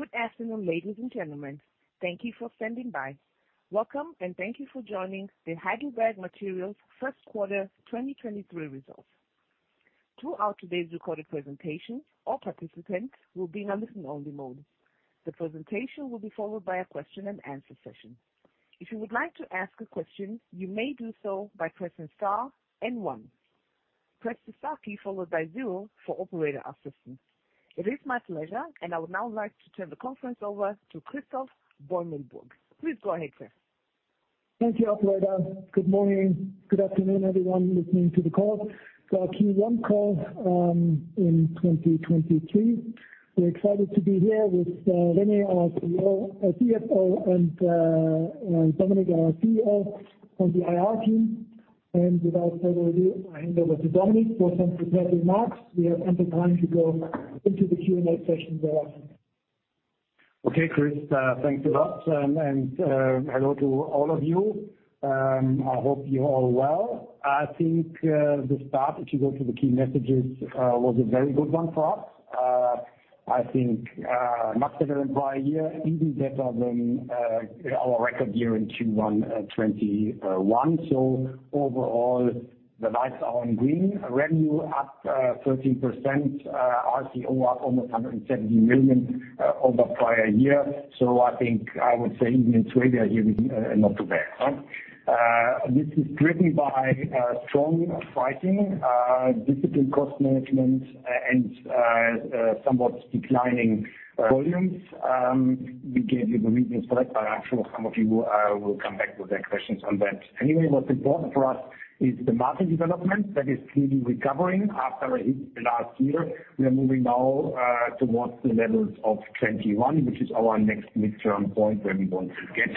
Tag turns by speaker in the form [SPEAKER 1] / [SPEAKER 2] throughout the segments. [SPEAKER 1] Good afternoon, ladies and gentlemen. Thank you for standing by. Welcome and thank you for joining the Heidelberg Materials first quarter 2023 results. Throughout today's recorded presentation, all participants will be in a listen-only mode. The presentation will be followed by a question-and-answer session. If you would like to ask a question, you may do so by pressing star and one. Press the star key followed by zero for operator assistance. It is my pleasure. I would now like to turn the conference over to Christoph Beumelburg. Please go ahead, sir.
[SPEAKER 2] Thank you, operator. Good morning. Good afternoon, everyone listening to the call. It's our Q1 call, in 2023. We're excited to be here with, René, our CFO, and Dominik, our CEO, and the IR team. Without further ado, I hand over to Dominik for some prepared remarks. We have ample time to go into the Q&A session thereafter.
[SPEAKER 3] Christoph, thanks a lot and hello to all of you. I hope you're all well. I think the start, if you go to the key messages, was a very good one for us. I think much better than prior year, even better than our record year in Q1 2021. Overall the lights are on green. Revenue up 13%, RCO up almost 170 million over prior year. I think I would say even in Sweden, here is not too bad, huh? This is driven by strong pricing, disciplined cost management and somewhat declining volumes. We gave you the reasons for that, but I'm sure some of you will come back with their questions on that. Anyway, what's important for us is the market development that is clearly recovering after a hit last year. We are moving now towards the levels of 21, which is our next midterm point where we want to get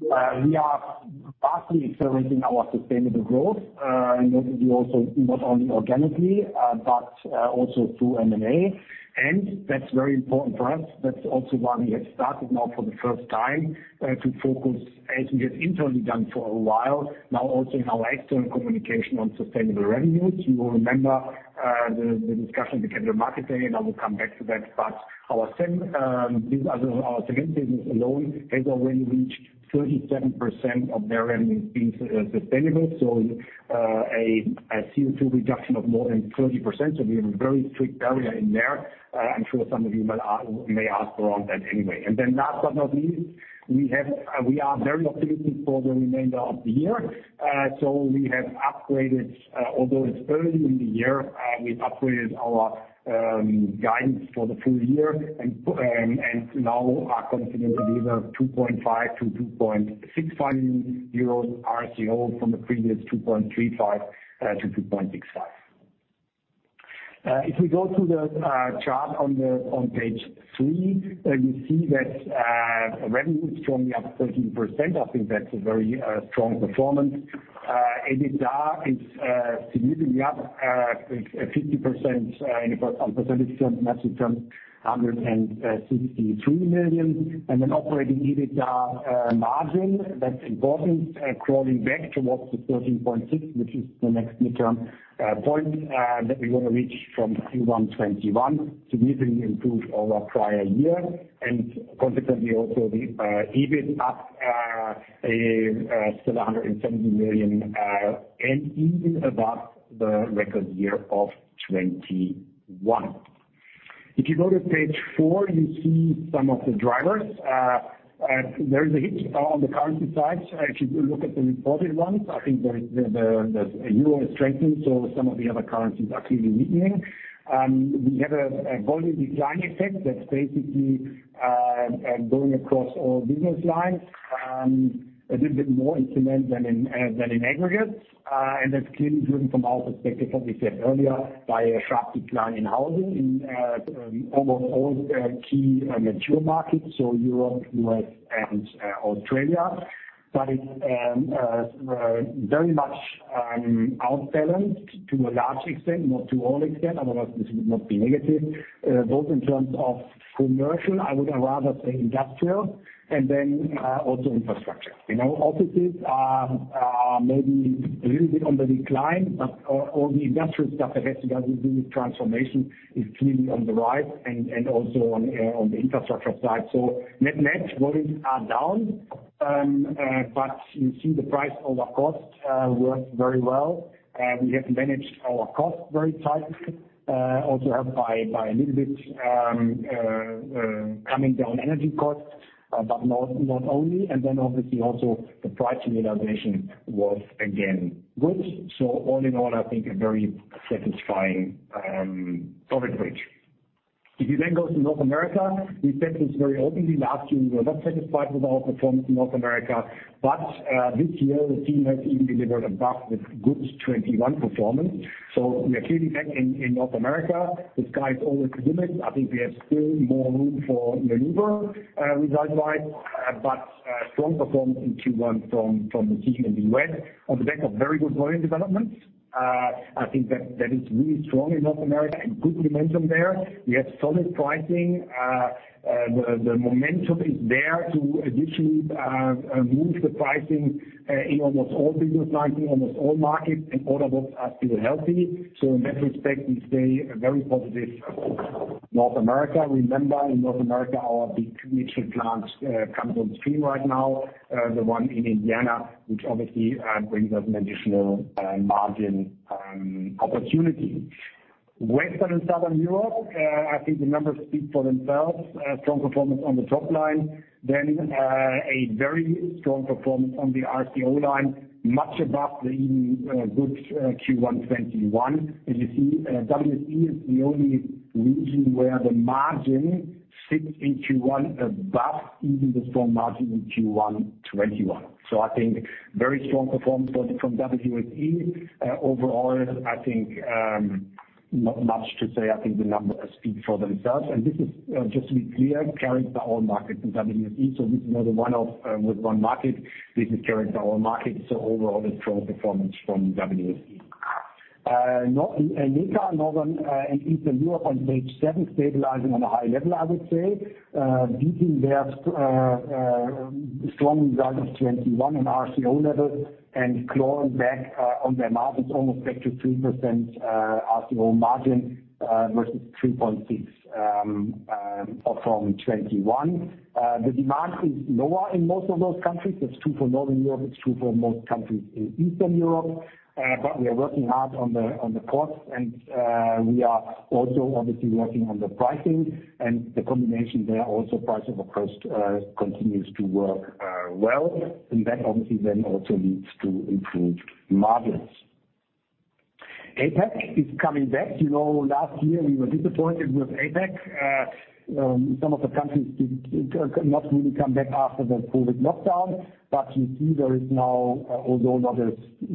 [SPEAKER 3] to. We are partly experiencing our sustainable growth, and we also not only organically, but also through M&A, and that's very important for us. That's also why we have started now for the first time to focus as we have internally done for a while now, also in our external communication on sustainable revenues. You will remember the discussion we had at the market day, and I will come back to that. Our second business alone has already reached 37% of their revenue being sustainable. A CO2 reduction of more than 30%. We have a very strict barrier in there. I'm sure some of you might may ask around that anyway. Then last but not least, we are very optimistic for the remainder of the year. We have upgraded, although it's early in the year, we upgraded our guidance for the full year and now are confident to deliver 2.5-2.65 euros RCO from the previous 2.35-2.65. If we go to the chart on page three, you see that revenue is strongly up 13%. I think that's a very strong performance. EBITDA is significantly up 50%, in a percentage terms, metric terms, 163 million. Operating EBITDA margin, that's important, crawling back towards the 13.6, which is the next midterm point that we want to reach from Q1 2021, significantly improved over prior year and consequently also the EBIT up a still 170 million and even above the record year of 2021. If you go to page 4, you see some of the drivers. There is a hit on the currency side. If you look at the reported ones, I think the Euro has strengthened, so some of the other currencies are clearly weakening. We have a volume decline effect that's basically going across all business lines, a little bit more in cement than in aggregates. That's clearly driven from our perspective, like we said earlier, by a sharp decline in housing in almost all key mature markets, so Europe, U.S., and Australia. It's very much outbalanced to a large extent, not to all extent, otherwise this would not be negative. Both in terms of commercial, I would rather say industrial, and then also infrastructure. You know, offices are maybe a little bit on the decline, but all the industrial stuff that has to do with transformation is clearly on the rise and also on the infrastructure side. Net volumes are down, but you see the price over cost worked very well. We have managed our costs very tight, also helped by a little bit, coming down energy costs, but not only and then obviously also the price realization was again good. All in all, I think a very satisfying coverage. If you then go to North America, we said this very openly last year, we were not satisfied with our performance in North America, but this year the team has even delivered above the good 21 performance. We are clearly back in North America. The sky is always the limit. I think we have still more room for maneuver, result-wise, but strong performance in Q1 from the team in the U.S. on the back of very good volume developments. I think that is really strong in North America and good momentum there. We have solid pricing. The momentum is there to additionally move the pricing in almost all business lines in almost all markets. Order books are still healthy. In that respect, we stay very positive North America. Remember, in North America, our big cement plants come on stream right now, the one in Indiana, which obviously brings us an additional margin opportunity. Western and Southern Europe, I think the numbers speak for themselves. Strong performance on the top line, a very strong performance on the RCO line, much above the good Q1 2021. As you see, WSE is the only region where the margin sits in Q1 above even the strong margin in Q1 2021. I think very strong performance from WSE. Overall, I think, not much to say. I think the numbers speak for themselves. This is, just to be clear, carries the whole market in WSE. This is not a one-off, with one market. This is carrying the whole market. Overall, a strong performance from WSE. NEECA, Northern and Eastern Europe on page 7, stabilizing on a high level, I would say. Beating their strong results 21 in RCO levels and clawing back on their margins, almost back to 3% RCO margin, versus 3.6 from 21. The demand is lower in most of those countries. That's true for Northern Europe, it's true for most countries in Eastern Europe. We are working hard on the costs, we are also obviously working on the pricing and the combination there. Also price over cost continues to work well, that obviously then also leads to improved margins. APAC is coming back. You know, last year we were disappointed with APAC. Some of the countries did not really come back after the COVID lockdown. You see there is now, although not a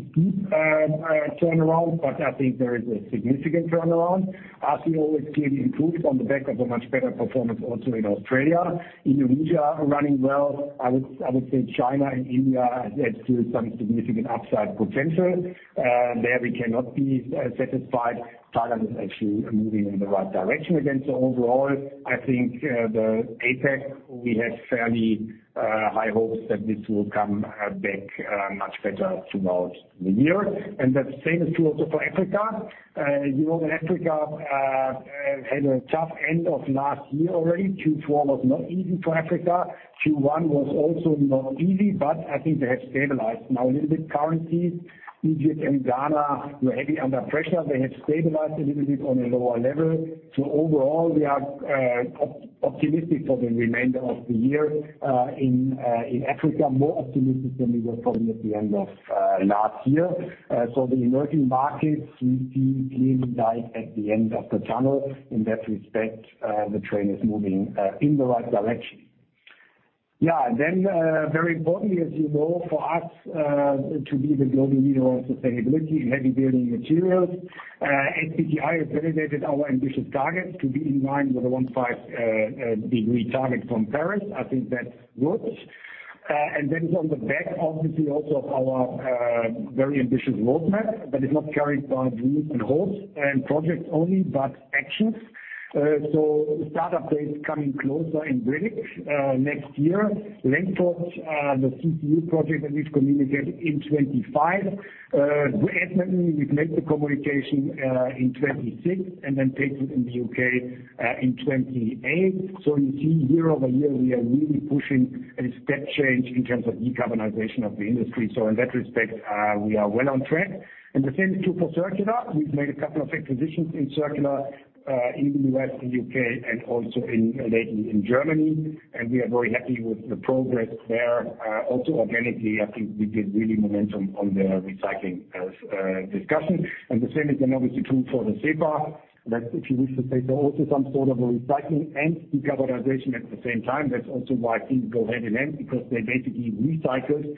[SPEAKER 3] steep turnaround, but I think there is a significant turnaround. RCO clearly improved on the back of a much better performance also in Australia. Indonesia running well. I would say China and India add to some significant upside potential. There we cannot be satisfied. Thailand is actually moving in the right direction again. Overall, I think the APAC, we have fairly high hopes that this will come back much better throughout the year. That same is true also for Africa. You know that Africa had a tough end of last year already. Q4 was not easy for Africa. Q1 was also not easy, but I think they have stabilized now a little bit. Currently, Egypt and Ghana were heavy under pressure. They have stabilized a little bit on a lower level. Overall, we are optimistic for the remainder of the year in Africa, more optimistic than we were probably at the end of last year. The emerging markets, we see clearly light at the end of the tunnel. In that respect, the train is moving in the right direction. Yeah. Very importantly, as you know, for us, to be the global leader on sustainability in heavy building materials, SBTI has validated our ambitious targets to be in line with the 1.5 degree target from Paris. I think that's good. On the back obviously also of our very ambitious roadmap that is not carried by dreams and hopes and projects only, but actions. The start-up date coming closer in Brevik next year. Lengfurt, the CCU project that we've communicated in 2025. Edmonton, we've made the communication in 2026 and then Padeswood in the UK in 2028. You see year-over-year, we are really pushing a step change in terms of decarbonization of the industry. In that respect, we are well on track. The same is true for Circular. We've made a couple of acquisitions in Circular, in the U.S., the U.K., and also lately in Germany. We are very happy with the progress there. Also organically, I think we build really momentum on the recycling discussion. The same is then obviously true for the SEPA. That's, if you wish to say so, also some sort of a recycling and decarbonization at the same time. That's also why things go hand in hand, because they basically recycle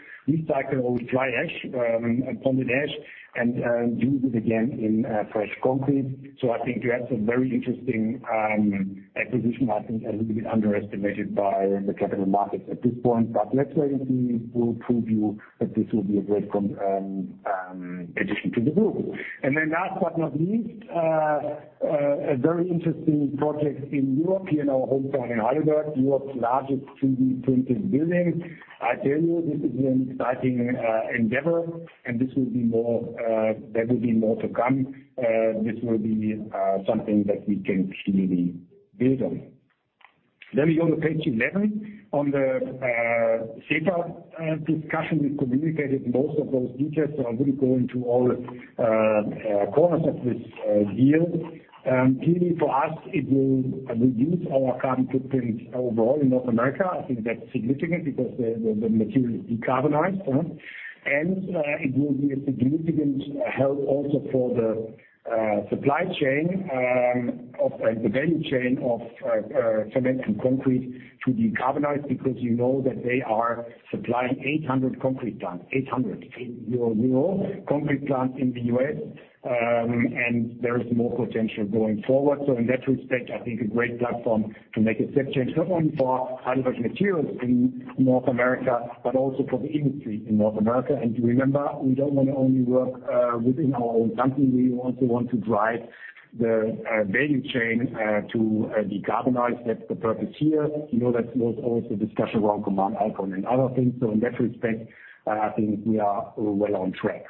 [SPEAKER 3] old fly ash and pond ash and use it again in fresh concrete. I think that's a very interesting acquisition I think a little bit underestimated by the capital markets at this point. Let's wait and see. We'll prove you that this will be a great addition to the group. Last but not least, a very interesting project in Europe, here in our home town in Heidelberg, Europe's largest 3D printed building. I tell you, this is an exciting endeavor and this will be more, there will be more to come. This will be something that we can clearly build on. We go to page 11. On the SEPA discussion, we communicated most of those details, so I won't go into all corners of this deal. Clearly for us, it will reduce our carbon footprint overall in North America. I think that's significant because the material is decarbonized, and it will be a significant help also for the supply chain of the value chain of cement and concrete to decarbonize because you know that they are supplying 800 concrete plants, 800, you know, concrete plants in the U.S., and there is more potential going forward. In that respect, I think a great platform to make a step change, not only for Heidelberg Materials in North America, but also for the industry in North America. Remember, we don't wanna only work within our own company. We also want to drive the value chain to decarbonize. That's the purpose here. You know, that's also the discussion around carbon outcome and other things. In that respect, I think we are well on track.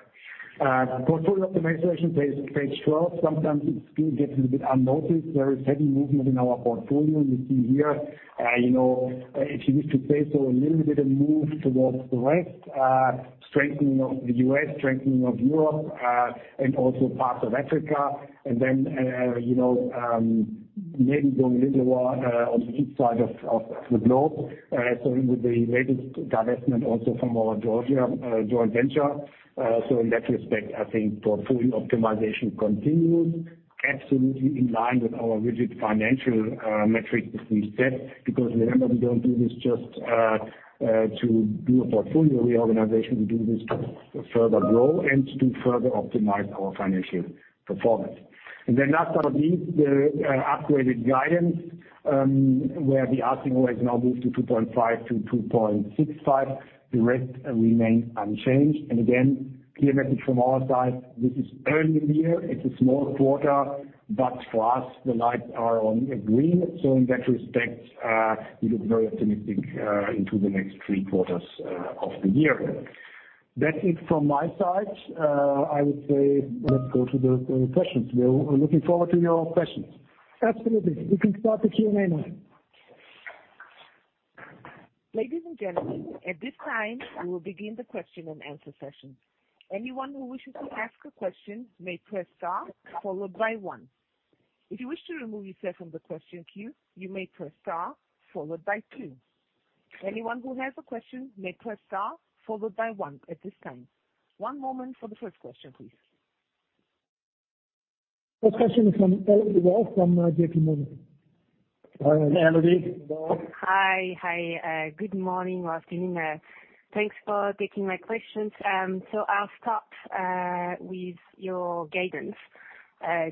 [SPEAKER 3] Portfolio optimization page 12. Sometimes it still gets a little bit unnoticed. There is heavy movement in our portfolio. You see here, you know, if you wish to say so, a little bit of move towards the west, strengthening of the U.S., strengthening of Europe, and also parts of Africa. Then, you know, maybe going a little more on the east side of the globe, with the latest divestment also from our Georgia joint venture. In that respect, I think portfolio optimization continues absolutely in line with our rigid financial metrics that we set, because remember, we don't do this just to do a portfolio reorganization. We do this to further grow and to further optimize our financial performance. Last but not least, the upgraded guidance, where the RCO has now moved to 2.5 to 2.65. The rest remain unchanged. Clear message from our side, this is early in the year, it's a small quarter, but for us the lights are on green. In that respect, we look very optimistic into the next three quarters of the year. That's it from my side. I would say let's go to the questions. We are looking forward to your questions.
[SPEAKER 2] Absolutely. We can start the Q&A now.
[SPEAKER 1] Ladies and gentlemen, at this time we will begin the question and answer session. Anyone who wishes to ask a question may press star followed by one. If you wish to remove yourself from the question queue, you may press star followed by two. Anyone who has a question may press star followed by one at this time. One moment for the first question, please.
[SPEAKER 2] First question is from Elodie Rall from J.P. Morgan.
[SPEAKER 3] Hi, Elodie.
[SPEAKER 2] Hello.
[SPEAKER 4] Hi. Hi. Good morning, or afternoon. Thanks for taking my questions. I'll start with your guidance.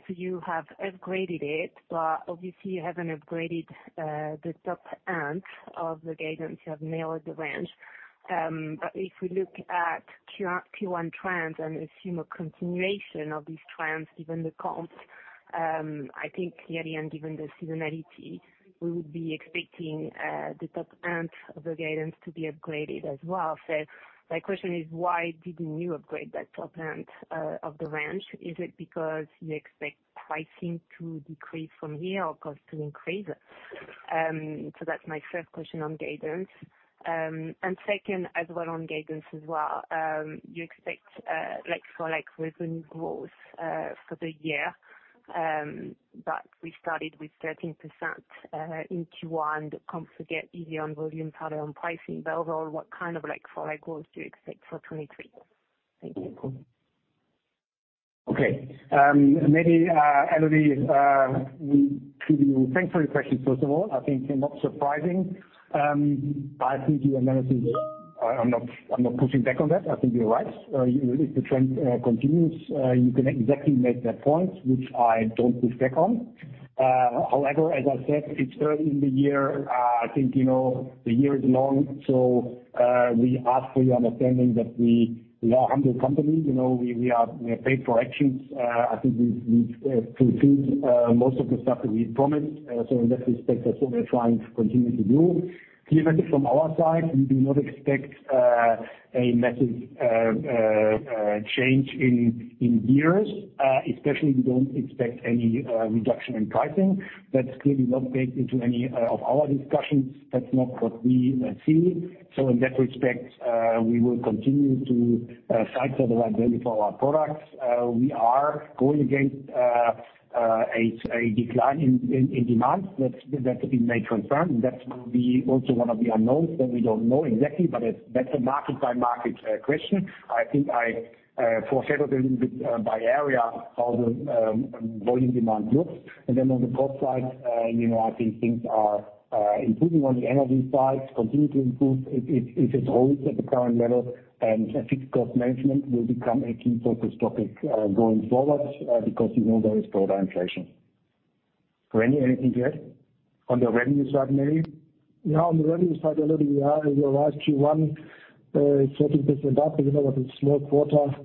[SPEAKER 4] You have upgraded it, but obviously you haven't upgraded the top end of the guidance. You have narrowed the range. If we look at Q1 trends and assume a continuation of these trends, given the comps, I think year to year and given the seasonality, we would be expecting the top end of the guidance to be upgraded as well. My question is, why didn't you upgrade that top end of the range? Is it because you expect pricing to decrease from here or cost to increase? That's my first question on guidance. Second, as well on guidance as well, you expect like-for-like revenue growth for the year, but we started with 13% in Q1. The comps will get easier on volume, harder on pricing. Overall, what kind of like for like growth do you expect for 2023? Thank you.
[SPEAKER 3] Okay. Maybe Elodie, to you. Thanks for your question first of all. I think you're not surprising. I think your analysis, I'm not pushing back on that. I think you're right. If the trend continues, you can exactly make that point, which I don't push back on. However, as I said, it's early in the year. I think you know the year is long. We ask for your understanding that we are a humble company. You know, we are paid for actions. I think we've fulfilled most of the stuff that we've promised. In that respect, that's what we're trying to continue to do. Clearly from our side, we do not expect a massive change in years, especially we don't expect any reduction in pricing. That clearly not baked into any of our discussions. That's not what we see. In that respect, we will continue to price for the right value for our products. We are going against a decline in demand. That we may confirm. That will be also one of the unknowns that we don't know exactly, but that's a market by market question. I think I foreshadowed a little bit by area how the volume demand looks. Then on the cost side, you know, I think things are improving on the energy side, continue to improve if it holds at the current level. Fixed cost management will become a key focus topic, going forward, because you know there is further inflation. René, anything to add? On the revenue side maybe.
[SPEAKER 2] Yeah, on the revenue side, Elodie, you are right. Q1 is 13% up. As you know that's a slow quarter,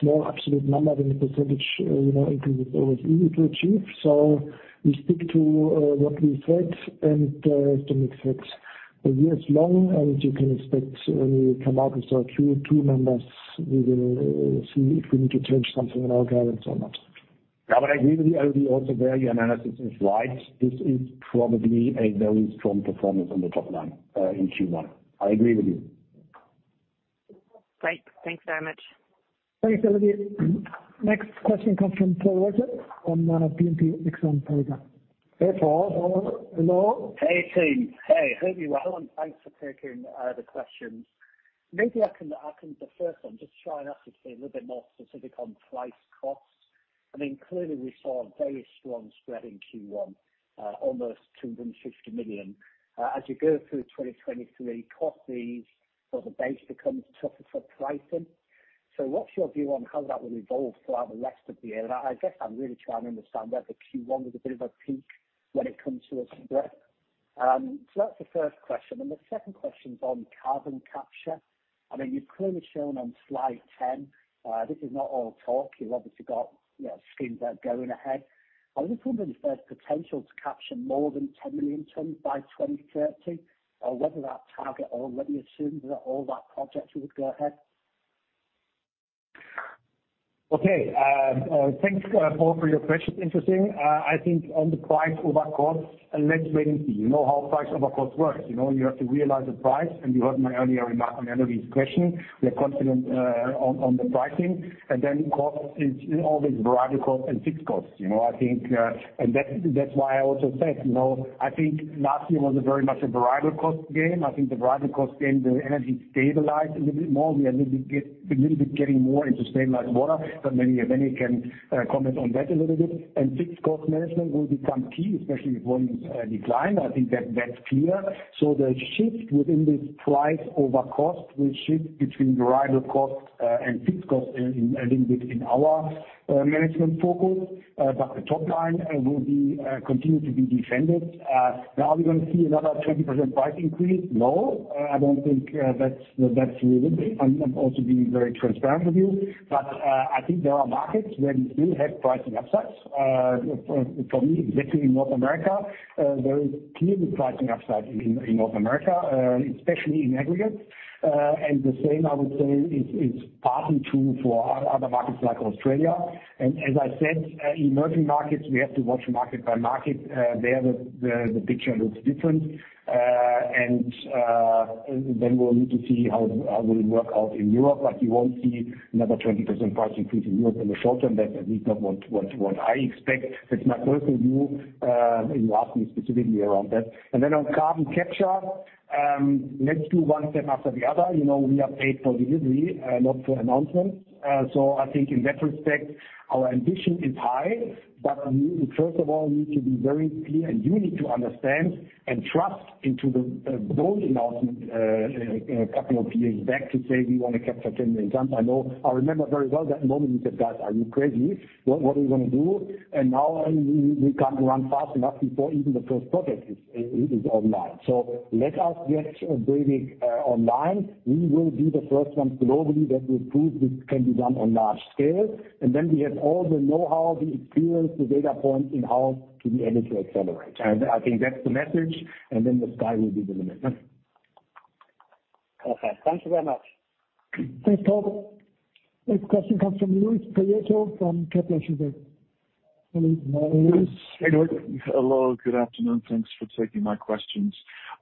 [SPEAKER 2] slow absolute number. When the percentage, you know, increases always easy to achieve. We stick to what we said and as Dominik said, the year is long and you can expect when we come out with our Q2 numbers, we will see if we need to change something in our guidance or not.
[SPEAKER 3] I agree with you, Elodie, also where your analysis is right. This is probably a very strong performance on the top line, in Q1. I agree with you.
[SPEAKER 4] Great. Thanks very much.
[SPEAKER 2] Thanks, Elodie. Next question comes from Paul Roger on Exane BNP Paribas.
[SPEAKER 3] Hey, Paul. Hello.
[SPEAKER 5] Hey, team. Hey, hope you're well, thanks for taking the questions. Maybe I can the first one try and ask if you can be a bit more specific on price costs. I mean, clearly we saw a very strong spread in Q1, 250 million. You go through 2023, costs ease the base becomes tougher for pricing. What's your view on how that will evolve throughout the rest of the year? I guess I'm really trying to understand whether Q1 was a bit of a peak when it comes to a spread. That's the first question. The second question's on carbon capture. I mean, you've clearly shown on slide 10, this is not all talk. You've obviously got, you know, schemes that are going ahead. I was just wondering if there's potential to capture more than 10 million tons by 2030, or whether that target or whether you assume that all that projects would go ahead?
[SPEAKER 3] Okay. Thanks, Paul, for your questions. Interesting. I think on the price over cost, let's wait and see, you know how price over cost works. You know, you have to realize the price. You heard my earlier remark on Elodie's question. We are confident on the pricing. Cost is always variable cost and fixed costs, you know. I think, that's why I also said, you know, I think last year was a very much a variable cost game. I think the variable cost game, the energy stabilized a little bit more. We are a little bit getting more into stabilized water, but maybe can comment on that a little bit. Fixed cost management will become key, especially if volumes decline. I think that's clear. The shift within this price over cost will shift between variable costs and fixed costs in a little bit in our management focus. The top line will be continue to be defended. Now are we gonna see another 20% price increase? No, I don't think that's realistic. I'm also being very transparent with you, but I think there are markets where we still have pricing upsides for me, especially in North America. There is clearly pricing upside in North America, especially in aggregates. The same I would say is partly true for other markets like Australia. As I said, emerging markets, we have to watch market by market. There the picture looks different. We'll need to see how it will work out in Europe. You won't see another 20% price increase in Europe in the short term. That is not what I expect. That's my personal view, if you ask me specifically around that. On carbon capture, let's do one step after the other. You know, we are paid for delivery, not for announcements. I think in that respect, our ambition is high. We first of all need to be very clear, and you need to understand and trust into those announcements, you know, a couple of years back to say we wanna capture 10 million tons. I remember very well that moment you said, "Guys, are you crazy? What are you gonna do? Now we can't run fast enough before even the first project is online. Let us get Brevik online. We will be the first ones globally that will prove this can be done on large scale. We have all the know-how, the experience, the data point in-house to be able to accelerate. I think that's the message, and then the sky will be the limit.
[SPEAKER 5] Perfect. Thank you very much.
[SPEAKER 2] Thanks, Roger. Next question comes from Luis Prieto from Kepler Cheuvreux. Luis, line is yours.
[SPEAKER 6] Hey, Norbert. Hello, good afternoon. Thanks for taking my questions.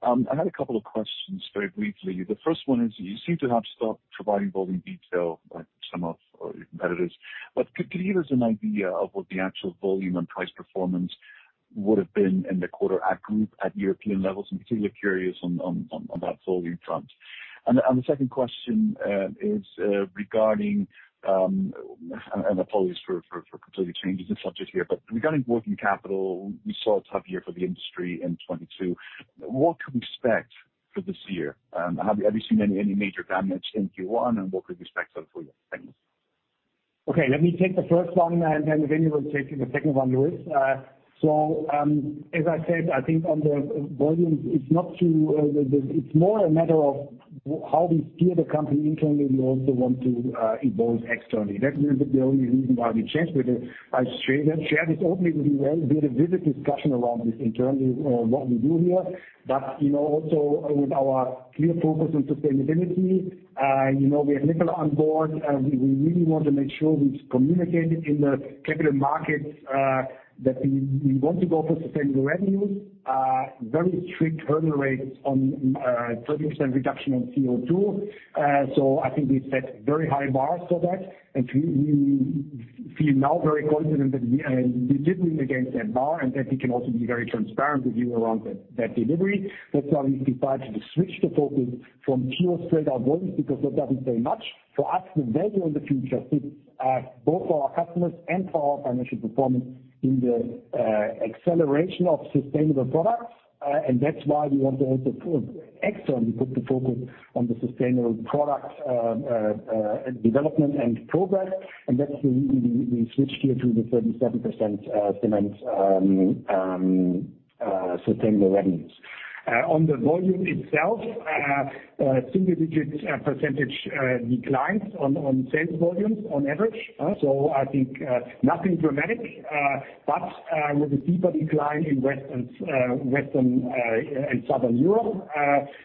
[SPEAKER 6] I had a couple of questions very briefly. The first one is you seem to have stopped providing volume detail like some of your competitors. Could you give us an idea of what the actual volume and price performance would have been in the quarter at group, at European levels? I'm particularly curious on that volume front. The second question. I apologize for completely changing the subject here. Regarding working capital, we saw a tough year for the industry in 2022. What can we expect for this year? Have you seen any major damage in Q1, and what could we expect going forward? Thanks.
[SPEAKER 3] Okay, let me take the first one, and then René will take the second one, Luis. As I said, I think on the volumes, it's not to the... It's more a matter of how we steer the company internally. We also want to evolve externally. That's the only reason why we changed with it. I shared it openly with you. Well, we had a vivid discussion around this internally, what we do here. You know, also with our clear focus on sustainability, you know, we have Nicola on board. We really want to make sure we communicate in the capital markets, that we want to go for sustainable revenues, very strict hurdle rates on 30% reduction on CO2. I think we set very high bars for that. We feel now very confident that we did win against that bar, and that we can also be very transparent with you around that delivery. That's why we decided to switch the focus from pure straight-up volumes, because that doesn't say much. For us, the value in the future is both for our customers and for our financial performance in the acceleration of sustainable products. That's why we want to also externally put the focus on the sustainable product development and progress. That's the reason we switched here to the 37% cement sustainable revenues. On the volume itself, single-digit % declines on sales volumes on average. I think nothing dramatic. With a deeper decline in Western and Southern Europe,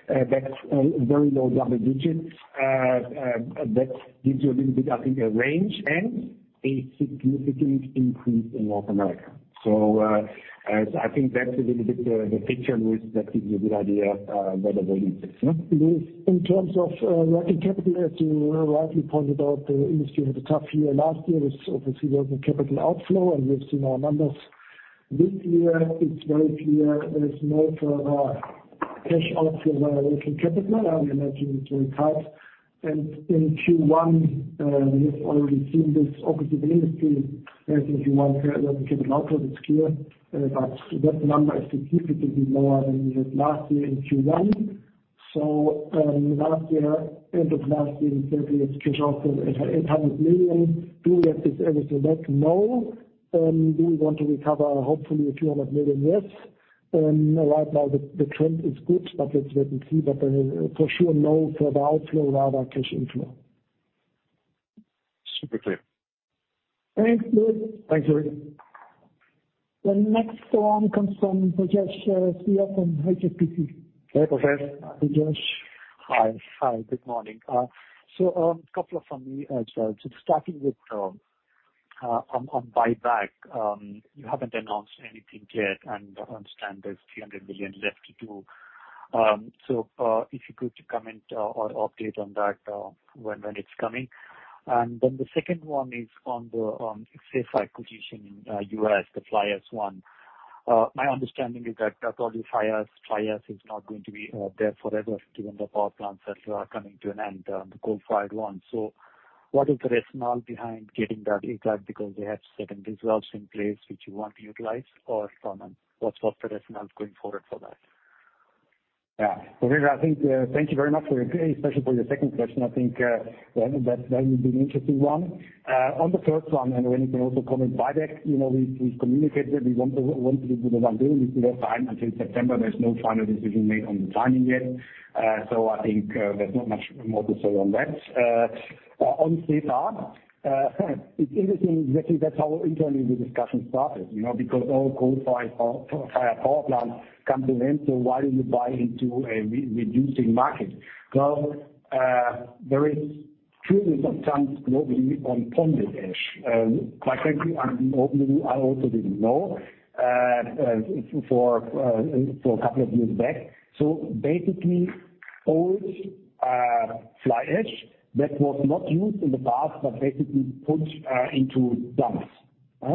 [SPEAKER 3] that's very low double digits. That gives you a little bit, I think, a range and a significant increase in North America. I think that's a little bit the picture, Luis, that gives you a good idea where the volume sits.
[SPEAKER 2] Luis, in terms of working capital, as you rightly pointed out, the industry had a tough year last year with obviously working capital outflow. We have seen our numbers. This year it's very clear there is no further cash outflow on working capital. I imagine it's very tight. In Q1, we have already seen this. Obviously the industry as in Q1 working capital outflow is clear. That number is significantly lower than we had last year in Q1. Last year, end of last year, we said we have cash outflow of EUR 800 million. Do we have this every select? No. Do we want to recover hopefully a few hundred million EUR? Yes. Right now the trend is good. Let's wait and see. For sure no further outflow, rather cash inflow.
[SPEAKER 6] Super clear.
[SPEAKER 2] Thanks, Luis.
[SPEAKER 6] Thanks, Luis.
[SPEAKER 2] The next one comes from Rajesh Jaiswal from HSBC.
[SPEAKER 3] Hi, Rajesh. Hi, Rajesh.
[SPEAKER 7] Hi. Hi, good morning. A couple from me as well. Just starting with on buyback. You haven't announced anything yet, and I understand there's 300 million left to do. If you could comment or update on that, when it's coming? The second one is on the SEFA acquisition in U.S., the fly ash one. My understanding is that probably fly ash is not going to be there forever, given the power plants that are coming to an end, the coal-fired ones. What is the rationale behind getting that, is that because they have certain reserves in place which you want to utilize or, what's the rationale going forward for that?
[SPEAKER 3] Rajesh, I think, thank you very much for, especially for your second question. I think, that will be an interesting one. On the first one, and René can also comment, buyback, you know, we've communicated we want to, we want to do the 1 billion. We still have time until September. There's no final decision made on the timing yet. I think, there's not much more to say on that. On SEFA, it's interesting, actually, that's how internally the discussion started, you know. All coal-fired power plants come to an end, why do we buy into a re-reducing market? Well, this sounds globally on pond ash. Quite frankly, I also didn't know for a couple of years back. Basically, old fly ash that was not used in the past, but basically put into dumps. Half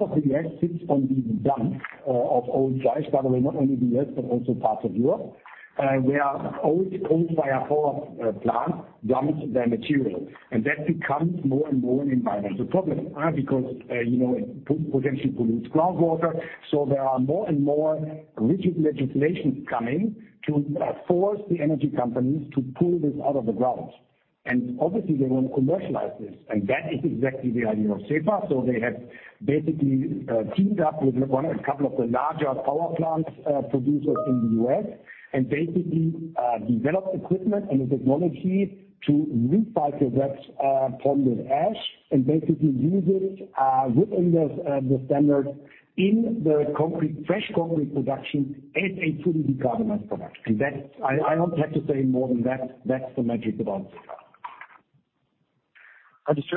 [SPEAKER 3] of the U.S. sits on these dumps of old fly ash. Not only the U.S., but also parts of Europe, where old fire power plants dump their material. That becomes more and more an environmental problem, because, you know, it potentially pollutes groundwater. There are more and more rigid legislations coming to force the energy companies to pull this out of the ground. Obviously they want to commercialize this, and that is exactly the idea of SEPA. They have basically teamed up with a couple of the larger power plants producers in the US and basically developed equipment and the technology to recycle that pond ash and basically use it within the standards in the fresh concrete production as a fully decarbonized product. I don't have to say more than that. That's the magic about it.
[SPEAKER 7] Just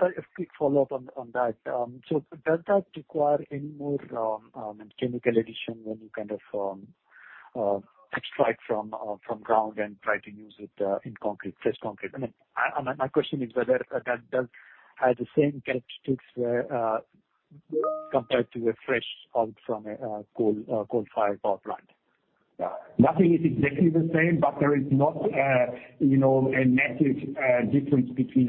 [SPEAKER 7] a quick follow-up on that. Does that require any more chemical addition when you kind of extract from ground and try to use it in concrete, fresh concrete? I mean, my question is whether that does have the same characteristics compared to the fresh pulp from a coal-fired power plant.
[SPEAKER 3] Nothing is exactly the same, but there is not, you know, a massive difference between.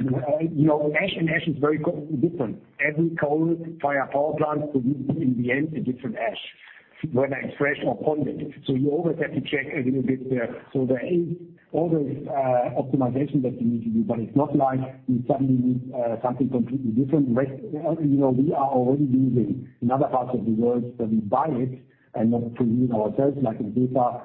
[SPEAKER 3] You know, ash and ash is very co-different. Every coal-fired power plant produce in the end a different ash, whether it's fresh or ponded. You always have to check a little bit there. There is always optimization that you need to do, but it's not like you suddenly need something completely different. You know, we are already using in other parts of the world where we buy it and not produce ourselves, like in beta,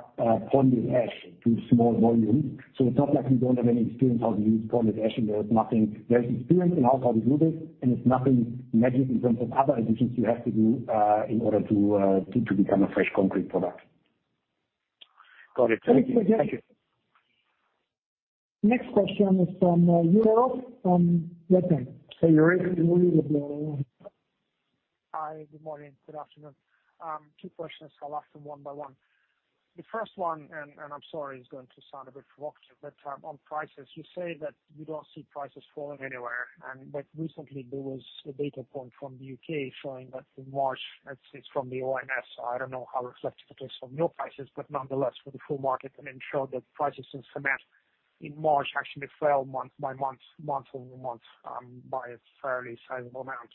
[SPEAKER 3] pond ash to small volumes. It's not like we don't have any experience how to use pond ash, and there's nothing... There's experience in-house how we do this, and it's nothing magic in terms of other additions you have to do, in order to become a fresh concrete product.
[SPEAKER 7] Got it. Thank you.
[SPEAKER 3] Thank you.
[SPEAKER 2] Next question is from Yuri Gerald, from Goldman Sachs.
[SPEAKER 8] Hey, Yuri. Hi. Good morning. Good afternoon. Two questions. I'll ask them 1 by 1. The first one, I'm sorry, it's going to sound a bit provocative, on prices, you say that you don't see prices falling anywhere. Recently there was a data point from the U.K. showing that in March, it's from the ONS, so I don't know how reflective it is from your prices, nonetheless for the full market. It showed that prices in cement in March actually fell month by month over month, by a fairly sizable amount.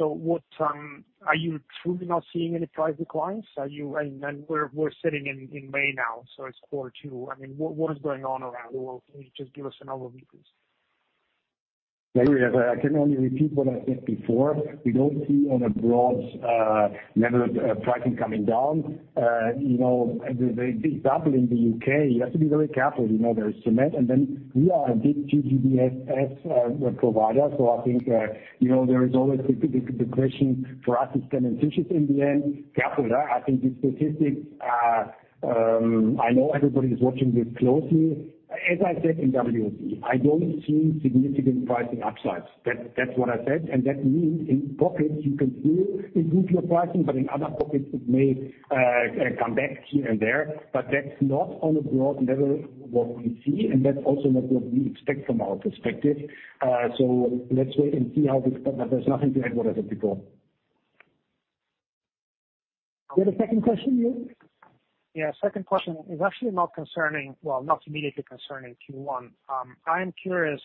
[SPEAKER 8] What, are you truly not seeing any price declines? Are you... We're sitting in May now, so it's quarter two. I mean, what is going on around the world? Can you just give us an overview, please?
[SPEAKER 3] Yuri, I can only repeat what I said before. We don't see on a broad level of pricing coming down. You know, especially in the UK, you have to be very careful. You know, there is cement, and then we are a big GGBS provider. I think, you know, there is always the question for us it's ton and inches in the end. Careful, yeah. I think the statistics are. I know everybody's watching this closely. As I said in WEC, I don't see significant pricing upsides. That's what I said. That means in pockets you can still improve your pricing, but in other pockets it may come back here and there. That's not on a broad level what we see, and that's also not what we expect from our perspective. Let's wait and see how this... There's nothing to add what I said before.
[SPEAKER 2] You had a second question, Yuri? Yeah. Second question is actually well, not immediately concerning Q1. I'm curious,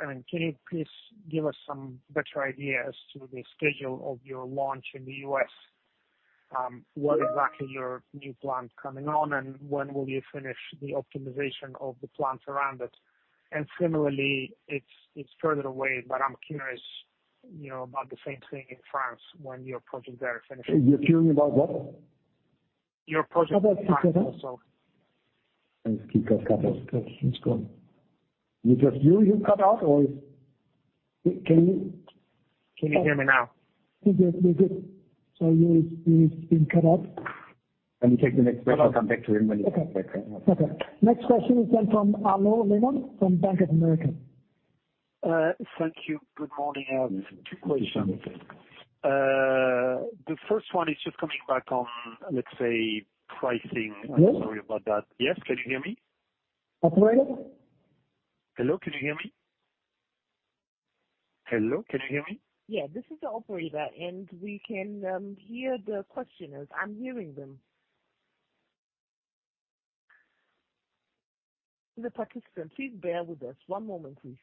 [SPEAKER 2] I mean, can you please give us some better idea as to the schedule of your launch in the US? What exactly your new plant coming on, and when will you finish the optimization of the plants around it? Similarly, it's further away, but I'm curious, you know, about the same thing in France, when your project there finishes?
[SPEAKER 3] You're curious about what?
[SPEAKER 8] Your project in France also.
[SPEAKER 3] I think you got cut off.
[SPEAKER 8] That's good.
[SPEAKER 3] Is just you cut out or is...
[SPEAKER 8] Can you hear me now?
[SPEAKER 2] I think we're good. You've been cut out.
[SPEAKER 3] Let me take the next question. I'll come back to him when he's-
[SPEAKER 2] Okay.
[SPEAKER 3] back on.
[SPEAKER 2] Okay. Next question is from Arnaud Lehmann from Bank of America.
[SPEAKER 9] Thank you. Good morning. Two questions. The first one is just coming back on, let's say, pricing.
[SPEAKER 2] Yes.
[SPEAKER 9] I'm sorry about that. Yes. Can you hear me?
[SPEAKER 2] Operator?
[SPEAKER 9] Hello, can you hear me? Hello, can you hear me?
[SPEAKER 1] This is the operator, and we can hear the questioners. I'm hearing them. The participant. Please bear with us. One moment, please.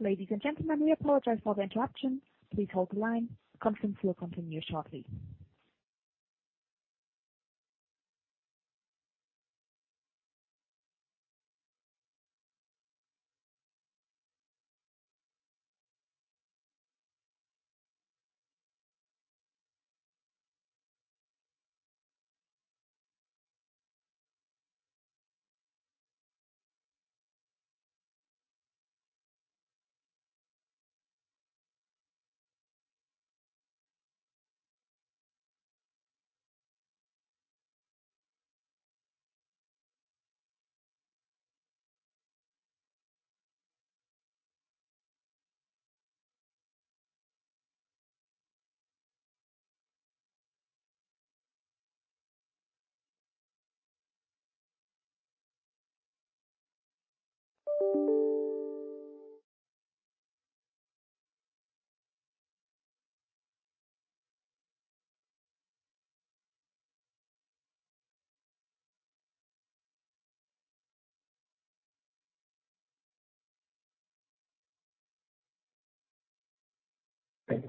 [SPEAKER 9] Sure.
[SPEAKER 1] Ladies and gentlemen, we apologize for the interruption. Please hold the line. Conference will continue shortly.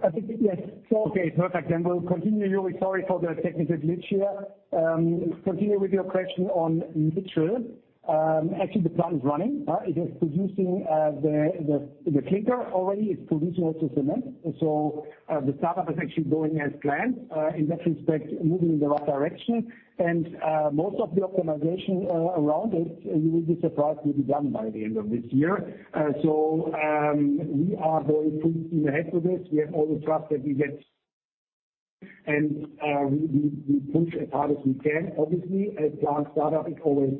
[SPEAKER 2] I think, yes.
[SPEAKER 3] Okay, perfect. We'll continue. Yuri, sorry for the technical glitch here. Continue with your question on Mitchell. Actually the plan is running. It is producing the clinker already. It's producing also cement. The startup is actually going as planned in that respect, moving in the right direction. Most of the optimization around it, you will be surprised to be done by the end of this year. We are very pleased in ahead with this. We have all the trust that we get and we push as hard as we can. Obviously, a plant startup is always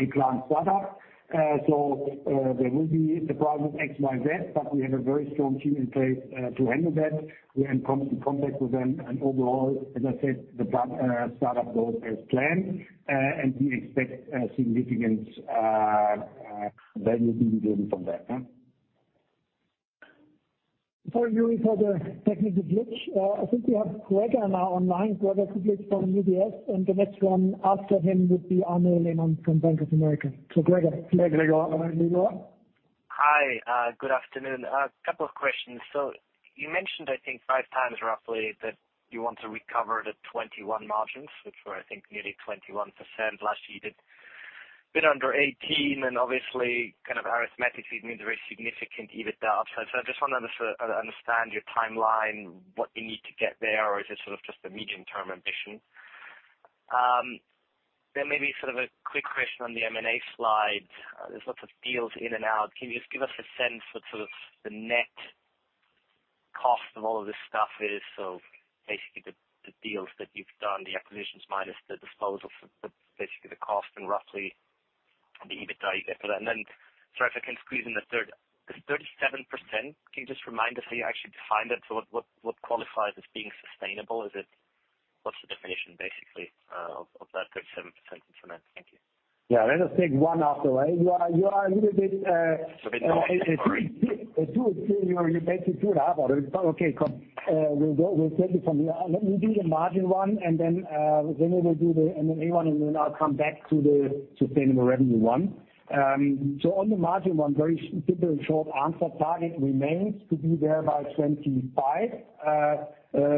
[SPEAKER 3] a plant startup. There will be surprises X, Y, Z, but we have a very strong team in place to handle that. We're in constant contact with them. Overall, as I said, the plant startup goes as planned, and we expect a significant value to be driven from that.
[SPEAKER 2] Sorry, Yuri, for the technical glitch. I think we have Gregor now online, Gregor Kuglitsch from UBS, and the next one after him would be Arnaud Lehmann from Bank of America. Gregor.
[SPEAKER 3] Yeah, Gregor.
[SPEAKER 10] Hi, good afternoon. A couple of questions. You mentioned, I think 5 times roughly that you want to recover the 21% margins, which were I think nearly 21%. Last year you did a bit under 18% and obviously kind of arithmetically it means very significant EBIT upside. I just want to understand your timeline, what you need to get there, or is it sort of just a medium-term ambition? Maybe sort of a quick question on the M&A slide. There's lots of deals in and out. Can you just give us a sense what sort of the net cost of all of this stuff is? Basically the deals that you've done, the acquisitions minus the disposals, but basically the cost and roughly the EBITDA effect. Sorry if I can squeeze in a third. The 37%, can you just remind us how you actually defined it? What, what qualifies as being sustainable? Is it, what's the definition basically of that 37%? Thank you.
[SPEAKER 3] Yeah. Let us take one after way. You are a little bit.
[SPEAKER 10] A bit.
[SPEAKER 3] Okay. We'll take it from here. Let me do the margin one. Then we will do the M&A one. Then I'll come back to the sustainable revenue one. On the margin one very simple short answer. Target remains to be there by 25.